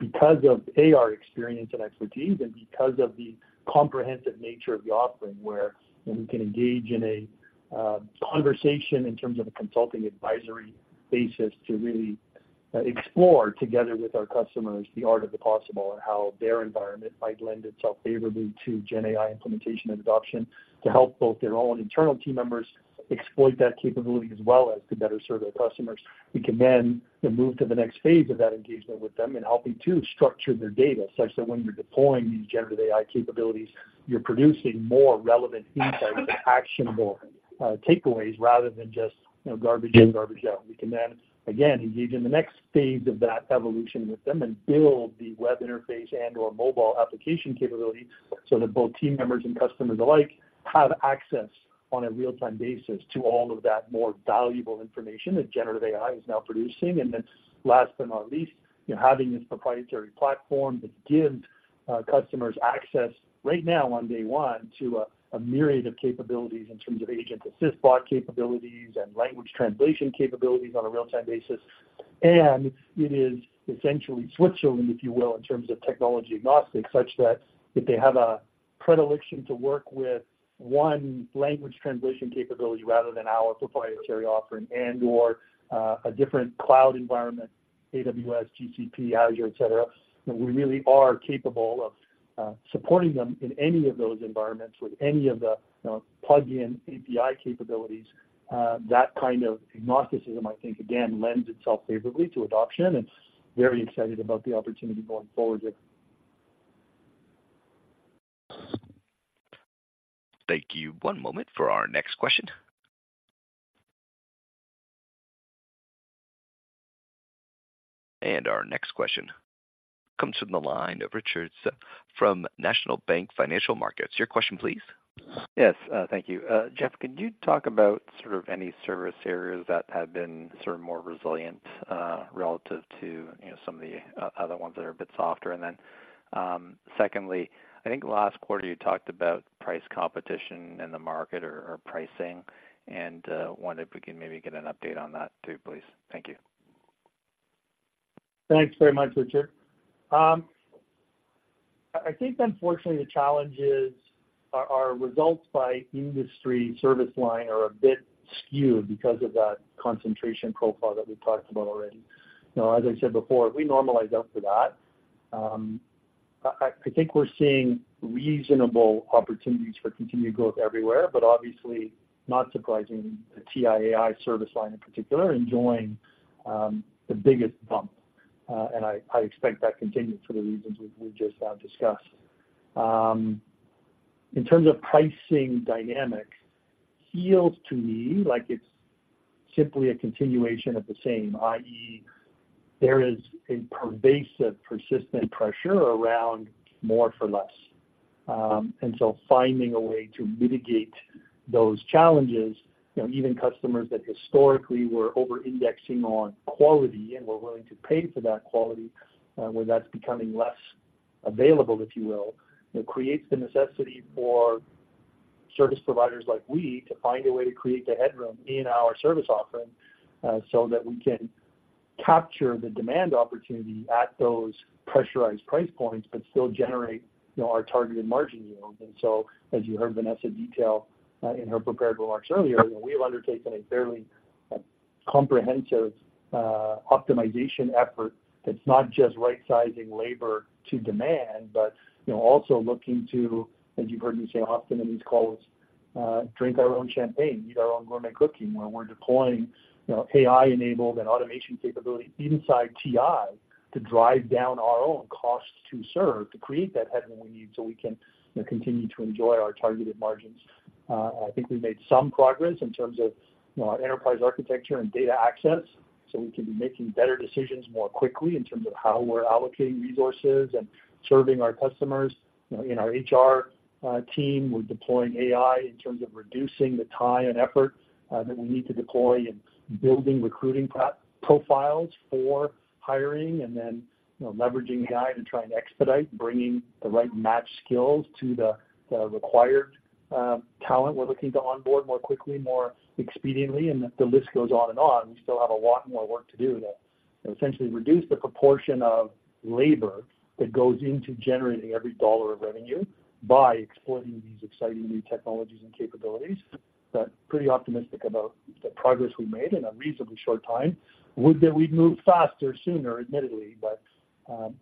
because of, A, our experience and expertise, and because of the comprehensive nature of the offering, where we can engage in a conversation in terms of a consulting advisory basis to really explore together with our customers, the art of the possible and how their environment might lend itself favorably to GenAI implementation and adoption, to help both their own internal team members exploit that capability, as well as to better serve their customers. We can then move to the next phase of that engagement with them and helping to structure their data, such that when you're deploying these generative AI capabilities, you're producing more relevant insights, actionable takeaways, rather than just, you know, garbage in, garbage out. We can then again engage in the next phase of that evolution with them and build the web interface and/or mobile application capability, so that both team members and customers alike have access on a real-time basis to all of that more valuable information that generative AI is now producing. And then last but not least, you know, having this proprietary platform that gives customers access right now on day one to a myriad of capabilities in terms of agent assist bot capabilities and language translation capabilities on a real-time basis. It is essentially Switzerland, if you will, in terms of technology agnostic, such that if they have a predilection to work with one language translation capability rather than our proprietary offering and/or a different cloud environment, AWS, GCP, Azure, et cetera, we really are capable of supporting them in any of those environments with any of the, you know, plug-in API capabilities. That kind of agnosticism, I think, again, lends itself favorably to adoption and very excited about the opportunity going forward there. Thank you. One moment for our next question, And our next question comes from the line of Richard from National Bank Financial Markets. Your question, please? Yes, thank you. Jeff, could you talk about sort of any service areas that have been sort of more resilient, relative to, you know, some of the other ones that are a bit softer? And then, secondly, I think last quarter you talked about price competition in the market or pricing, and wondered if we could maybe get an update on that too, please. Thank you. Thanks very much, Richard. I think unfortunately, the challenge is, our results by industry service line are a bit skewed because of that concentration profile that we talked about already. You know, as I said before, if we normalize out for that, I think we're seeing reasonable opportunities for continued growth everywhere, but obviously, not surprising, the TI AI service line in particular, enjoying the biggest bump. And I expect that continue for the reasons we just now discussed. In terms of pricing dynamics, feels to me like it's simply a continuation of the same, i.e., there is a pervasive, persistent pressure around more for less. And so finding a way to mitigate those challenges, you know, even customers that historically were over-indexing on quality and were willing to pay for that quality, where that's becoming less available, if you will, it creates the necessity for service providers like we to find a way to create the headroom in our service offering, so that we can capture the demand opportunity at those pressurized price points, but still generate, you know, our targeted margin yield. As you heard Vanessa detail in her prepared remarks earlier, you know, we've undertaken a fairly comprehensive optimization effort that's not just right-sizing labor to demand, but, you know, also looking to, as you've heard me say often in these calls, drink our own champagne, eat our own gourmet cooking, where we're deploying, you know, AI-enabled and automation capability inside TI to drive down our own costs to serve, to create that headroom we need so we can, you know, continue to enjoy our targeted margins. I think we made some progress in terms of, you know, our enterprise architecture and data access, so we can be making better decisions more quickly in terms of how we're allocating resources and serving our customers. You know, in our HR team, we're deploying AI in terms of reducing the time and effort that we need to deploy in building recruiting profiles for hiring and then, you know, leveraging AI to try and expedite bringing the right matched skills to the required talent we're looking to onboard more quickly, more expediently, and the list goes on and on. We still have a lot more work to do to, you know, essentially reduce the proportion of labor that goes into generating every dollar of revenue by exploiting these exciting new technologies and capabilities. But pretty optimistic about the progress we made in a reasonably short time. Would that we'd moved faster sooner, admittedly, but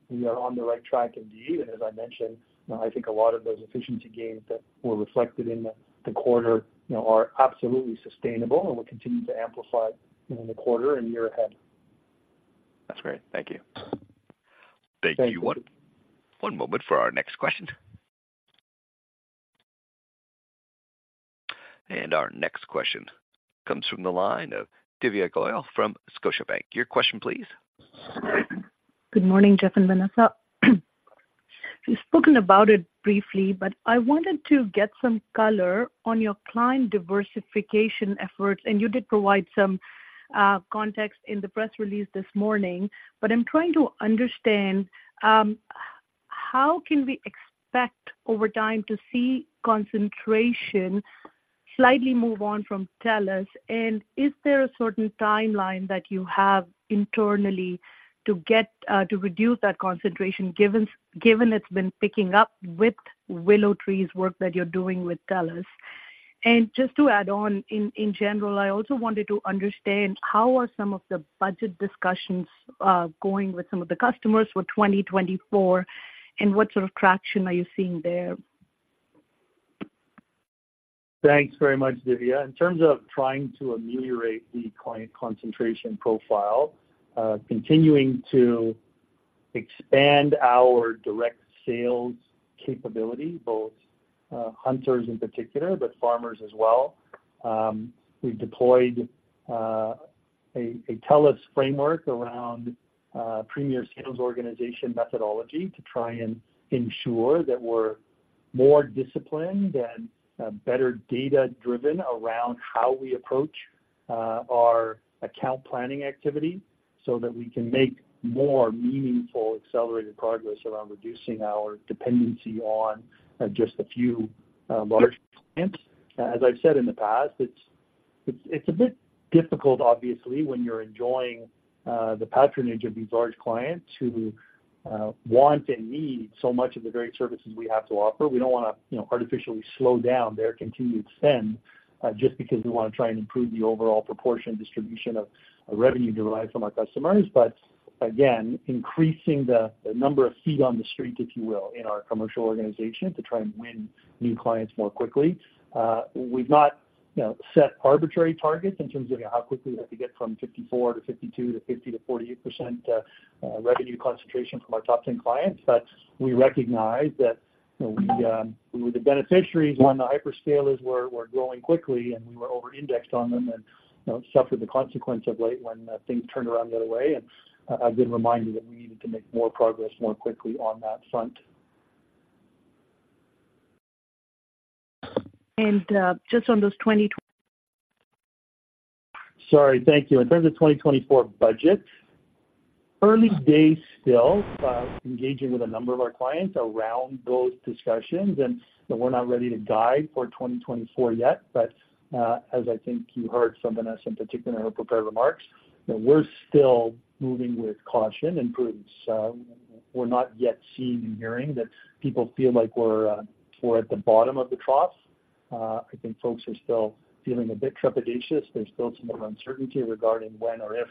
we are on the right track indeed. As I mentioned, you know, I think a lot of those efficiency gains that were reflected in the quarter, you know, are absolutely sustainable and will continue to amplify in the quarter and year ahead. That's great. Thank you. Thank you. Thank you. One moment for our next question. Our next question comes from the line of Divya Goyal from Scotiabank. Your question, please. Good morning, Jeff and Vanessa. You've spoken about it briefly, but I wanted to get some color on your client diversification efforts, and you did provide some context in the press release this morning. But I'm trying to understand how can we expect, over time, to see concentration slightly move on from TELUS, and is there a certain timeline that you have internally to get to reduce that concentration, given it's been picking up with WillowTree's work that you're doing with TELUS? And just to add on, in general, I also wanted to understand how are some of the budget discussions going with some of the customers for 2024, and what sort of traction are you seeing there? Thanks very much, Divya. In terms of trying to ameliorate the client concentration profile, continuing to expand our direct sales capability, both hunters in particular, but farmers as well. We've deployed a TELUS framework around premier sales organization methodology to try and ensure that we're more disciplined and better data-driven around how we approach our account planning activity, so that we can make more meaningful, accelerated progress around reducing our dependency on just a few large clients. As I've said in the past, it's a bit difficult, obviously, when you're enjoying the patronage of these large clients who want and need so much of the great services we have to offer. We don't wanna, you know, artificially slow down their continued spend, just because we wanna try and improve the overall proportion distribution of revenue derived from our customers. But again, increasing the number of feet on the street, if you will, in our commercial organization to try and win new clients more quickly. We've not, you know, set arbitrary targets in terms of how quickly we have to get from 54 to 52 to 50 to 48%, revenue concentration from our top 10 clients. But we recognize that, you know, we were the beneficiaries when the hyperscalers were growing quickly, and we were over-indexed on them and, you know, suffered the consequence of late when things turned around the other way. And I've been reminded that we needed to make more progress more quickly on that front. And, just on those 20- Sorry. Thank you. In terms of 2024 budget, early days still, engaging with a number of our clients around those discussions, and we're not ready to guide for 2024 yet. But, as I think you heard from Vanessa, in particular, in her prepared remarks, that we're still moving with caution and prudence. We're not yet seeing and hearing that people feel like we're, we're at the bottom of the trough. I think folks are still feeling a bit trepidatious. There's still some uncertainty regarding when or if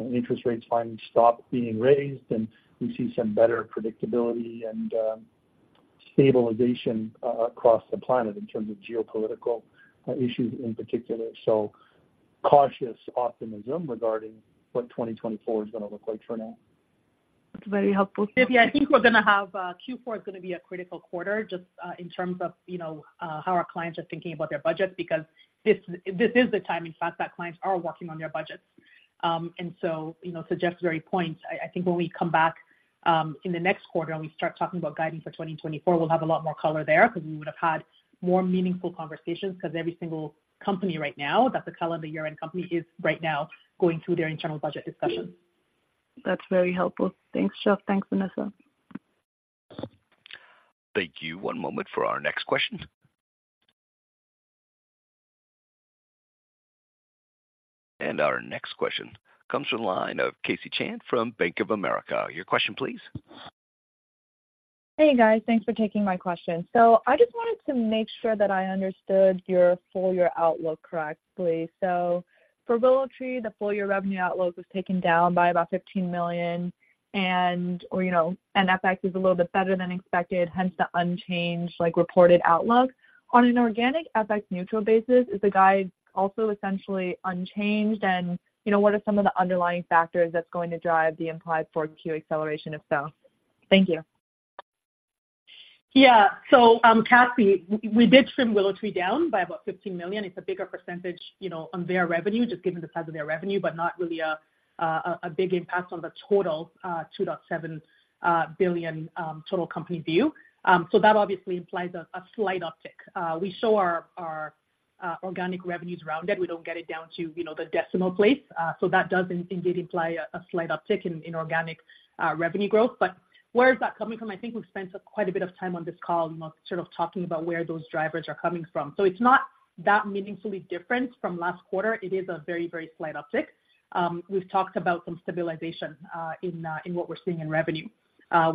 interest rates finally stop being raised, and we see some better predictability and, stabilization, across the planet in terms of geopolitical, issues in particular. So cautious optimism regarding what 2024 is gonna look like for now. That's very helpful. Maybe, I think we're gonna have, Q4 is gonna be a critical quarter, just, in terms of, you know, how our clients are thinking about their budgets, because this, this is the time, in fact, that clients are working on their budgets. And so, you know, to Jeff's very point, I, I think when we come back, in the next quarter and we start talking about guiding for 2024, we'll have a lot more color there, because we would have had more meaningful conversations, because every single company right now, that's a calendar year-end company, is right now going through their internal budget discussions. That's very helpful. Thanks, Jeff. Thanks, Vanessa. Thank you. One moment for our next question. Our next question comes from the line of Cassie Chan from Bank of America. Your question, please. Hey, guys. Thanks for taking my question. So I just wanted to make sure that I understood your full year outlook correctly. So for WillowTree, the full year revenue outlook was taken down by about $15 million, and or, you know, and FX is a little bit better than expected, hence the unchanged, like, reported outlook. On an organic FX neutral basis, is the guide also essentially unchanged? And, you know, what are some of the underlying factors that's going to drive the implied fourth Q acceleration, if so? Thank you. Yeah. So, Cassie, we did trim WillowTree down by about $15 million. It's a bigger percentage, you know, on their revenue, just given the size of their revenue, but not really a big impact on the total $2.7 billion total company view. So that obviously implies a slight uptick. We show our organic revenues rounded. We don't get it down to, you know, the decimal place. So that does indeed imply a slight uptick in organic revenue growth. But where is that coming from? I think we've spent quite a bit of time on this call, you know, sort of talking about where those drivers are coming from. So it's not that meaningfully different from last quarter. It is a very, very slight uptick. We've talked about some stabilization in what we're seeing in revenue.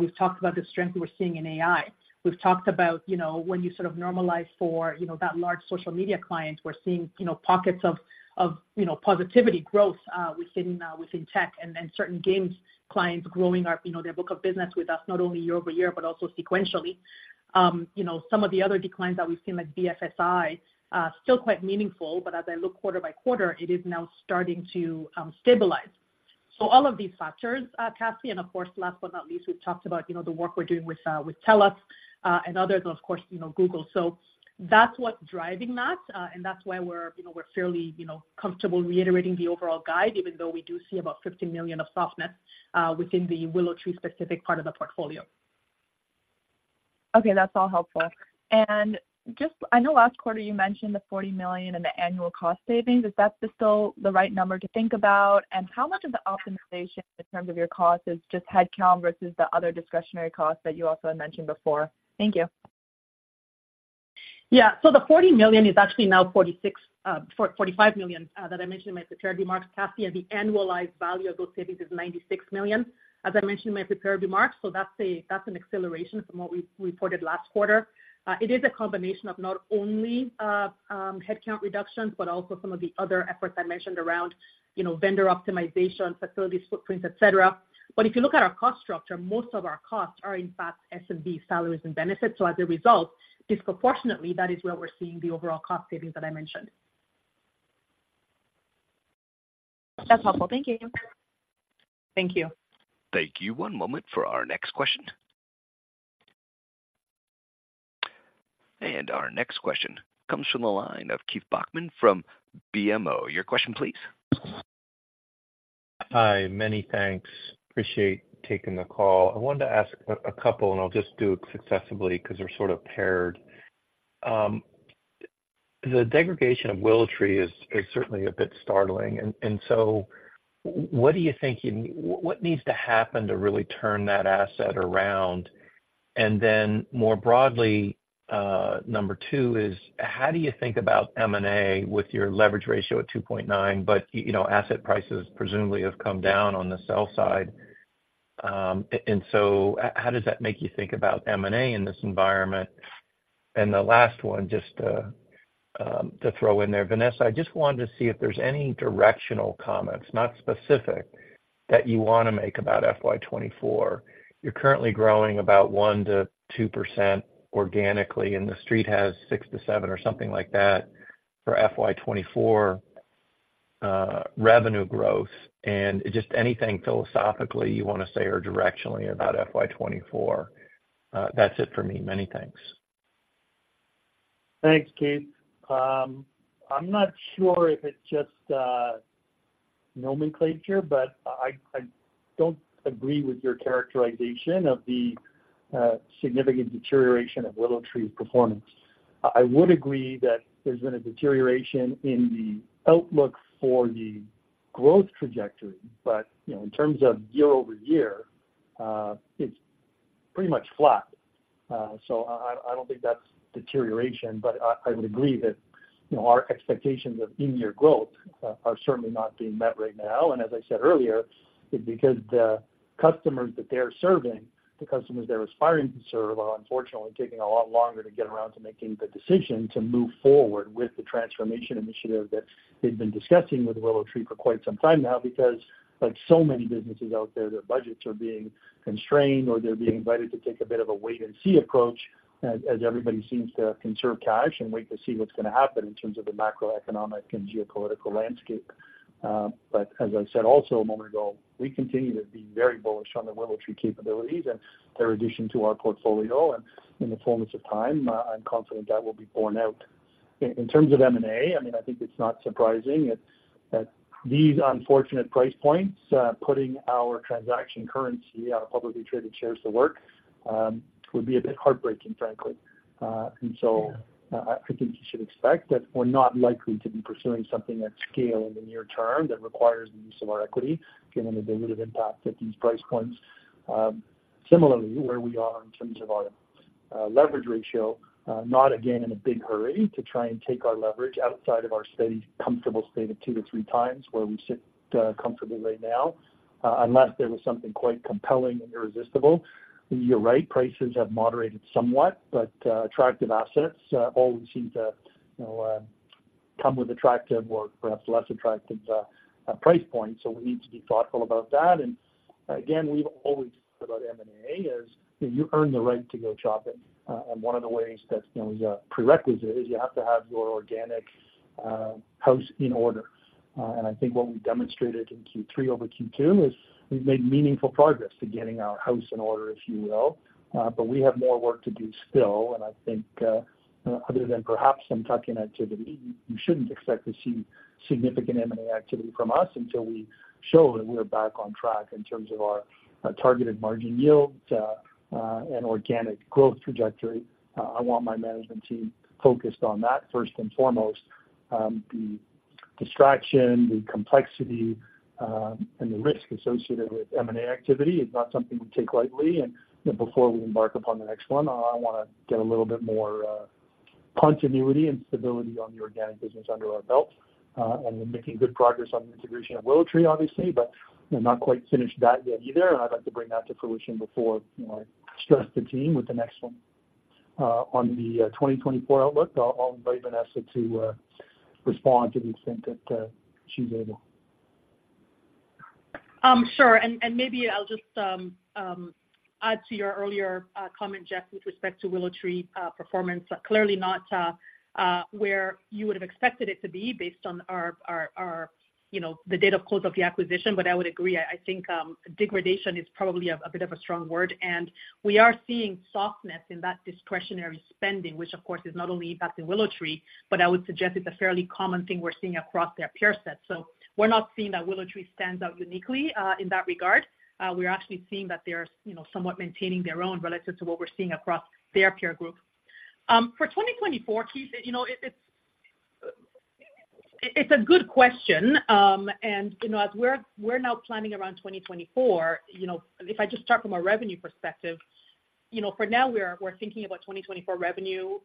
We've talked about the strength we're seeing in AI. We've talked about, you know, when you sort of normalize for, you know, that large social media client, we're seeing, you know, pockets of positivity growth within tech and then certain games clients growing our, you know, their book of business with us, not only year over year, but also sequentially. You know, some of the other declines that we've seen, like BFSI, are still quite meaningful, but as I look quarter-by-quarter, it is now starting to stabilize. So all of these factors, Cassie, and of course, last but not least, we've talked about, you know, the work we're doing with TELUS and others, and of course, you know, Google. So that's what's driving that, and that's why we're, you know, we're fairly, you know, comfortable reiterating the overall guide, even though we do see about $50 million of softness within the WillowTree specific part of the portfolio. Okay, that's all helpful. And just I know last quarter you mentioned the $40 million in the annual cost savings. Is that still the right number to think about? And how much of the optimization in terms of your cost is just headcount versus the other discretionary costs that you also had mentioned before? Thank you. Yeah. So the $40 million is actually now $45 million that I mentioned in my prepared remarks, Cassie, and the annualized value of those savings is $96 million, as I mentioned in my prepared remarks. So that's an acceleration from what we reported last quarter. It is a combination of not only headcount reductions, but also some of the other efforts I mentioned around, you know, vendor optimization, facilities, footprints, et cetera. But if you look at our cost structure, most of our costs are in fact S&B salaries and benefits. So as a result, disproportionately, that is where we're seeing the overall cost savings that I mentioned. That's helpful. Thank you. Thank you. Thank you. One moment for our next question. Our next question comes from the line of Keith Bachman from BMO. Your question please. Hi, many thanks. Appreciate taking the call. I wanted to ask a couple, and I'll just do it successively because they're sort of paired. The degradation of WillowTree is certainly a bit startling. And so what are you thinking? What needs to happen to really turn that asset around? And then more broadly, number 2 is: How do you think about M&A with your leverage ratio at 2.9, but you know, asset prices presumably have come down on the sell side. And so how does that make you think about M&A in this environment? And the last one, just to throw in there, Vanessa, I just wanted to see if there's any directional comments, not specific, that you want to make about FY 2024. You're currently growing about 1%-2% organically, and the street has 6-7 or something like that for FY 2024, revenue growth. Just anything philosophically you want to say or directionally about FY 2024? That's it for me. Many thanks. Thanks, Keith. I'm not sure if it's just nomenclature, but I don't agree with your characterization of the significant deterioration of WillowTree's performance. I would agree that there's been a deterioration in the outlook for the growth trajectory, but, you know, in terms of year over year, it's pretty much flat. So I don't think that's deterioration, but I would agree that, you know, our expectations of in-year growth are certainly not being met right now. And as I said earlier, it's because the customers that they're serving, the customers they're aspiring to serve, are unfortunately taking a lot longer to get around to making the decision to move forward with the transformation initiative that they've been discussing with WillowTree for quite some time now. Because like so many businesses out there, their budgets are being constrained, or they're being invited to take a bit of a wait-and-see approach as everybody seems to conserve cash and wait to see what's gonna happen in terms of the macroeconomic and geopolitical landscape. But as I said also a moment ago, we continue to be very bullish on the WillowTree capabilities and their addition to our portfolio. And in the fullness of time, I'm confident that will be borne out. In terms of M&A, I mean, I think it's not surprising at these unfortunate price points, putting our transaction currency, our publicly traded shares to work, would be a bit heartbreaking, frankly. And so, I think you should expect that we're not likely to be pursuing something at scale in the near term that requires the use of our equity, given the dilutive impact at these price points. Similarly, where we are in terms of our leverage ratio, not again in a big hurry to try and take our leverage outside of our steady, comfortable state of two to three times, where we sit comfortably right now, unless there was something quite compelling and irresistible. You're right, prices have moderated somewhat, but attractive assets always seem to, you know, come with attractive or perhaps less attractive price points, so we need to be thoughtful about that. And again, we've always thought about M&A, as, you know, you earn the right to go shopping. One of the ways that, you know, the prerequisite is you have to have your organic house in order. I think what we've demonstrated in Q3 over Q2 is we've made meaningful progress to getting our house in order, if you will. But we have more work to do still, and I think, other than perhaps some tuck-in activity, you shouldn't expect to see significant M&A activity from us until we show that we're back on track in terms of our targeted margin yields, and organic growth trajectory. I want my management team focused on that first and foremost. The distraction, the complexity, and the risk associated with M&A activity is not something to take lightly, and, you know, before we embark upon the next one, I wanna get a little bit more continuity and stability on the organic business under our belt. We're making good progress on the integration of WillowTree, obviously, but, you know, not quite finished that yet either, and I'd like to bring that to fruition before, you know, I stress the team with the next one. On the 2024 outlook, I'll invite Vanessa to respond to the extent that she's able. Sure. And maybe I'll just add to your earlier comment, Jeff, with respect to WillowTree performance. Clearly not where you would have expected it to be based on our you know, the date of close of the acquisition. But I would agree, I think degradation is probably a bit of a strong word, and we are seeing softness in that discretionary spending, which of course, is not only impacting WillowTree, but I would suggest it's a fairly common thing we're seeing across their peer set. So we're not seeing that WillowTree stands out uniquely in that regard. We're actually seeing that they're you know, somewhat maintaining their own relative to what we're seeing across their peer group. For 2024, Keith, you know, it's a good question. And, you know, as we're now planning around 2024, you know, if I just start from a revenue perspective, you know, for now we're thinking about 2024 revenue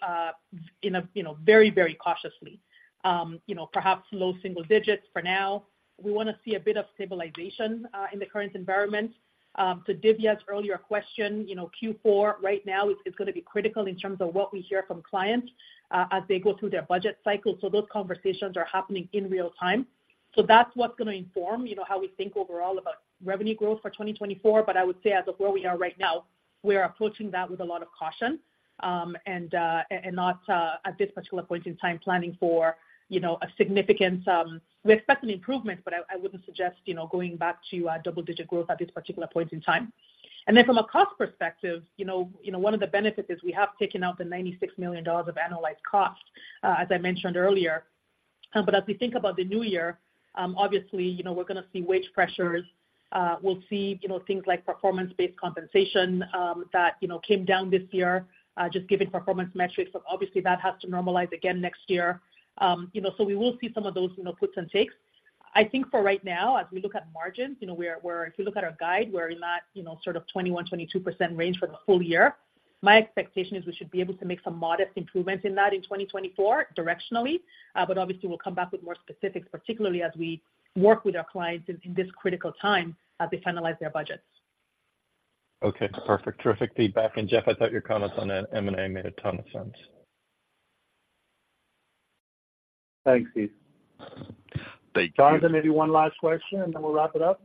in a, you know, very, very cautiously. You know, perhaps low single digits for now. We wanna see a bit of stabilization in the current environment. To Divya's earlier question, you know, Q4 right now is gonna be critical in terms of what we hear from clients as they go through their budget cycle. So those conversations are happening in real time. So that's what's gonna inform, you know, how we think overall about revenue growth for 2024. But I would say as of where we are right now, we are approaching that with a lot of caution, and not at this particular point in time planning for, you know, a significant... We expect an improvement, but I wouldn't suggest, you know, going back to double-digit growth at this particular point in time. And then from a cost perspective, you know, one of the benefits is we have taken out the $96 million of annualized cost, as I mentioned earlier. But as we think about the new year, obviously, you know, we're gonna see wage pressures. We'll see, you know, things like performance-based compensation that you know came down this year just given performance metrics, but obviously that has to normalize again next year. You know, so we will see some of those, you know, puts and takes. I think for right now, as we look at margins, you know, we're, if you look at our guide, we're in that, you know, sort of 21%-22% range for the full year. My expectation is we should be able to make some modest improvements in that in 2024 directionally. But obviously, we'll come back with more specifics, particularly as we work with our clients in this critical time as they finalize their budgets. Okay, perfect. Terrific feedback. And Jeff, I thought your comments on the M&A made a ton of sense. Thanks, Keith. Thank you. Jonathan, maybe one last question, and then we'll wrap it up?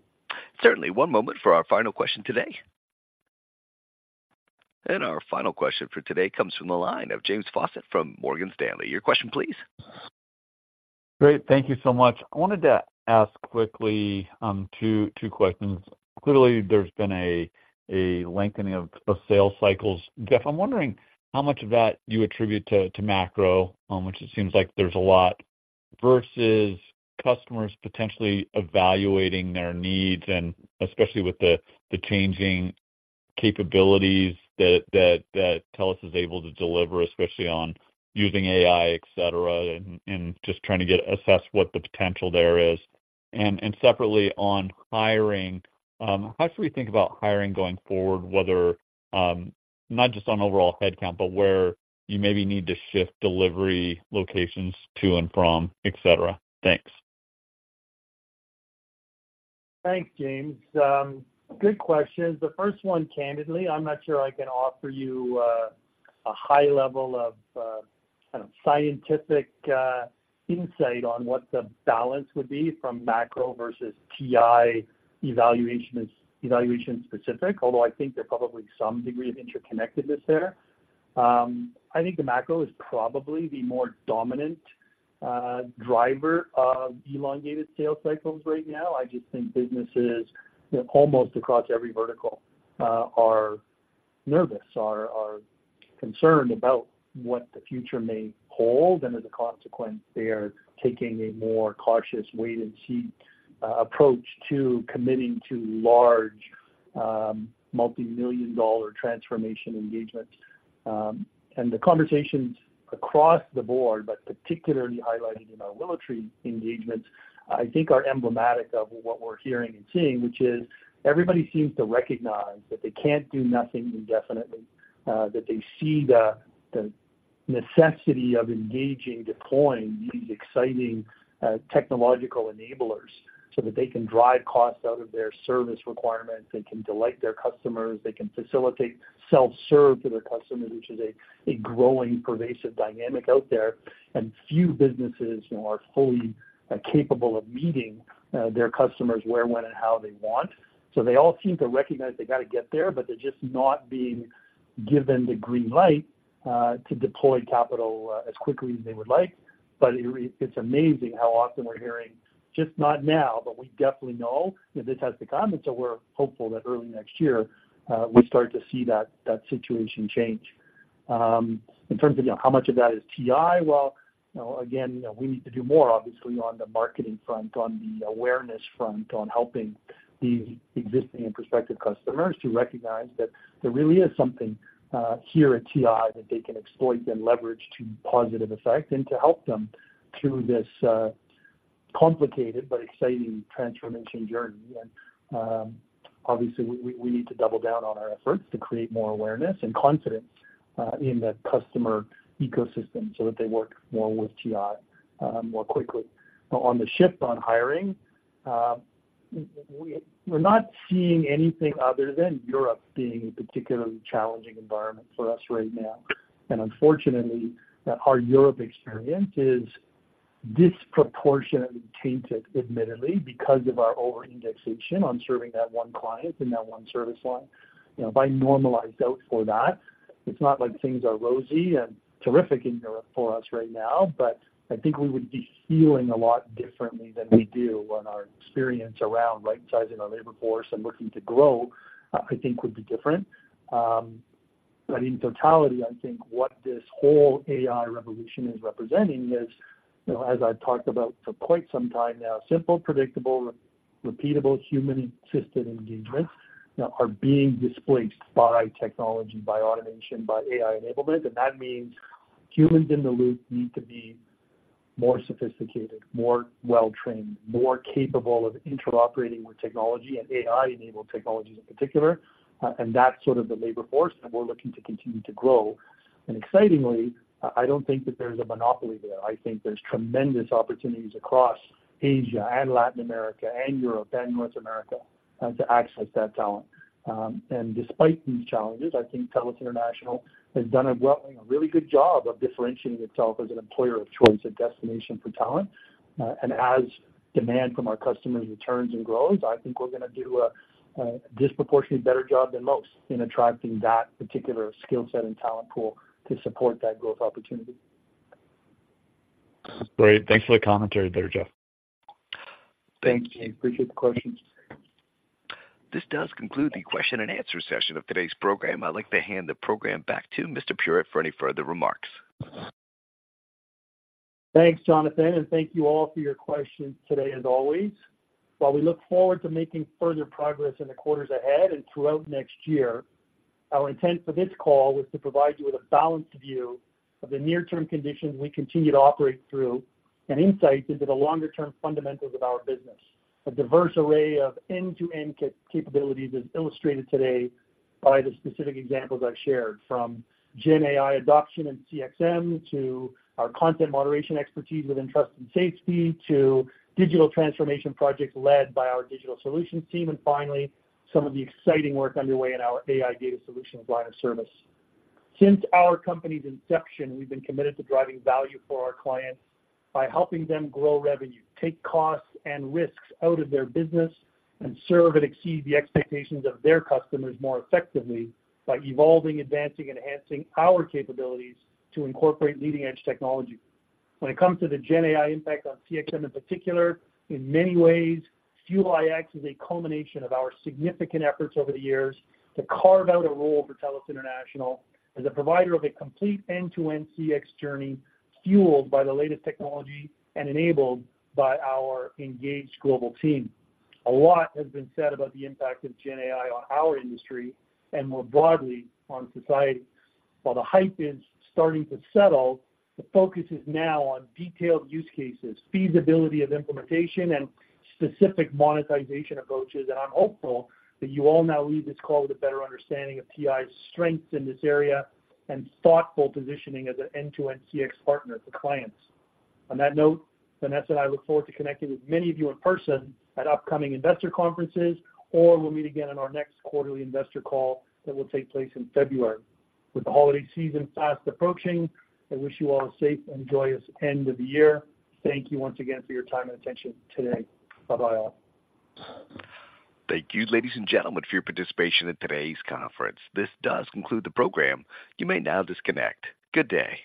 Certainly. One moment for our final question today. Our final question for today comes from the line of James Faucette from Morgan Stanley. Your question please. Great. Thank you so much. I wanted to ask quickly two questions. Clearly, there's been a lengthening of sales cycles. Jeff, I'm wondering how much of that you attribute to macro, which it seems like there's a lot, versus customers potentially evaluating their needs, and especially with the changing capabilities that TELUS is able to deliver, especially on using AI, et cetera, and just trying to assess what the potential there is. And separately, on hiring, how should we think about hiring going forward, whether not just on overall headcount, but where you maybe need to shift delivery locations to and from, et cetera? Thanks. Thanks, James. Good questions. The first one, candidly, I'm not sure I can offer you a high level of kind of scientific insight on what the balance would be from macro versus TI evaluation specific, although I think there's probably some degree of interconnectedness there. I think the macro is probably the more dominant driver of elongated sales cycles right now. I just think businesses, you know, almost across every vertical are nervous, concerned about what the future may hold, and as a consequence, they are taking a more cautious wait-and-see approach to committing to large multimillion-dollar transformation engagements. And the conversations across the board, but particularly highlighted in our military engagements, I think are emblematic of what we're hearing and seeing, which is everybody seems to recognize that they can't do nothing indefinitely, that they see the necessity of engaging, deploying these exciting technological enablers so that they can drive costs out of their service requirements, they can delight their customers, they can facilitate self-serve to their customers, which is a growing, pervasive dynamic out there. And few businesses, you know, are fully capable of meeting their customers where, when, and how they want. So they all seem to recognize they gotta get there, but they're just not being given the green light to deploy capital as quickly as they would like. But it's amazing how often we're hearing, "Just not now, but we definitely know that this has to come, and so we're hopeful that early next year, we start to see that situation change." In terms of, you know, how much of that is TI, well, you know, again, we need to do more, obviously, on the marketing front, on the awareness front, on helping the existing and prospective customers to recognize that there really is something here at TI that they can exploit and leverage to positive effect, and to help them through this complicated but exciting transformation journey. And, obviously, we need to double down on our efforts to create more awareness and confidence in the customer ecosystem so that they work more with TI more quickly. On the shift on hiring, we're not seeing anything other than Europe being a particularly challenging environment for us right now. And unfortunately, our Europe experience is disproportionately tainted, admittedly, because of our over-indexation on serving that one client in that one service line. You know, if I normalized out for that, it's not like things are rosy and terrific in Europe for us right now, but I think we would be feeling a lot differently than we do on our experience around right-sizing our labor force and looking to grow, I think would be different. But in totality, I think what this whole AI revolution is representing is, you know, as I've talked about for quite some time now, simple, predictable, repeatable, human-assisted engagements are being displaced by technology, by automation, by AI enablement. That means humans in the loop need to be more sophisticated, more well-trained, more capable of interoperating with technology and AI-enabled technologies in particular. And that's sort of the labor force, and we're looking to continue to grow. And excitingly, I, I don't think that there's a monopoly there. I think there's tremendous opportunities across Asia and Latin America and Europe and North America to access that talent. And despite these challenges, I think TELUS International has done a really good job of differentiating itself as an employer of choice, a destination for talent. And as demand from our customers returns and grows, I think we're gonna do a disproportionately better job than most in attracting that particular skill set and talent pool to support that growth opportunity. Great. Thanks for the commentary there, Jeff. Thank you. Appreciate the question. This does conclude the question and answer session of today's program. I'd like to hand the program back to Mr. Puritt for any further remarks. Thanks, Jonathan, and thank you all for your questions today, as always. While we look forward to making further progress in the quarters ahead and throughout next year, our intent for this call was to provide you with a balanced view of the near-term conditions we continue to operate through, and insights into the longer-term fundamentals of our business. A diverse array of end-to-end capabilities is illustrated today by the specific examples I've shared, from Gen AI adoption and CXM, to our content moderation expertise within trust and safety, to digital transformation projects led by our digital solutions team, and finally, some of the exciting work underway in our AI data solutions line of service. Since our company's inception, we've been committed to driving value for our clients by helping them grow revenue, take costs and risks out of their business, and serve and exceed the expectations of their customers more effectively by evolving, advancing, and enhancing our capabilities to incorporate leading-edge technology. When it comes to the Gen AI impact on CXM in particular, in many ways, Fuel iX is a culmination of our significant efforts over the years to carve out a role for TELUS International as a provider of a complete end-to-end CX journey, fueled by the latest technology and enabled by our engaged global team. A lot has been said about the impact of Gen AI on our industry, and more broadly, on society. While the hype is starting to settle, the focus is now on detailed use cases, feasibility of implementation, and specific monetization approaches. I'm hopeful that you all now leave this call with a better understanding of TI's strengths in this area and thoughtful positioning as an end-to-end CX partner to clients. On that note, Vanessa and I look forward to connecting with many of you in person at upcoming investor conferences, or we'll meet again on our next quarterly investor call that will take place in February. With the holiday season fast approaching, I wish you all a safe and joyous end of the year. Thank you once again for your time and attention today. Bye-bye, all. Thank you, ladies and gentlemen, for your participation in today's conference. This does conclude the program. You may now disconnect. Good day.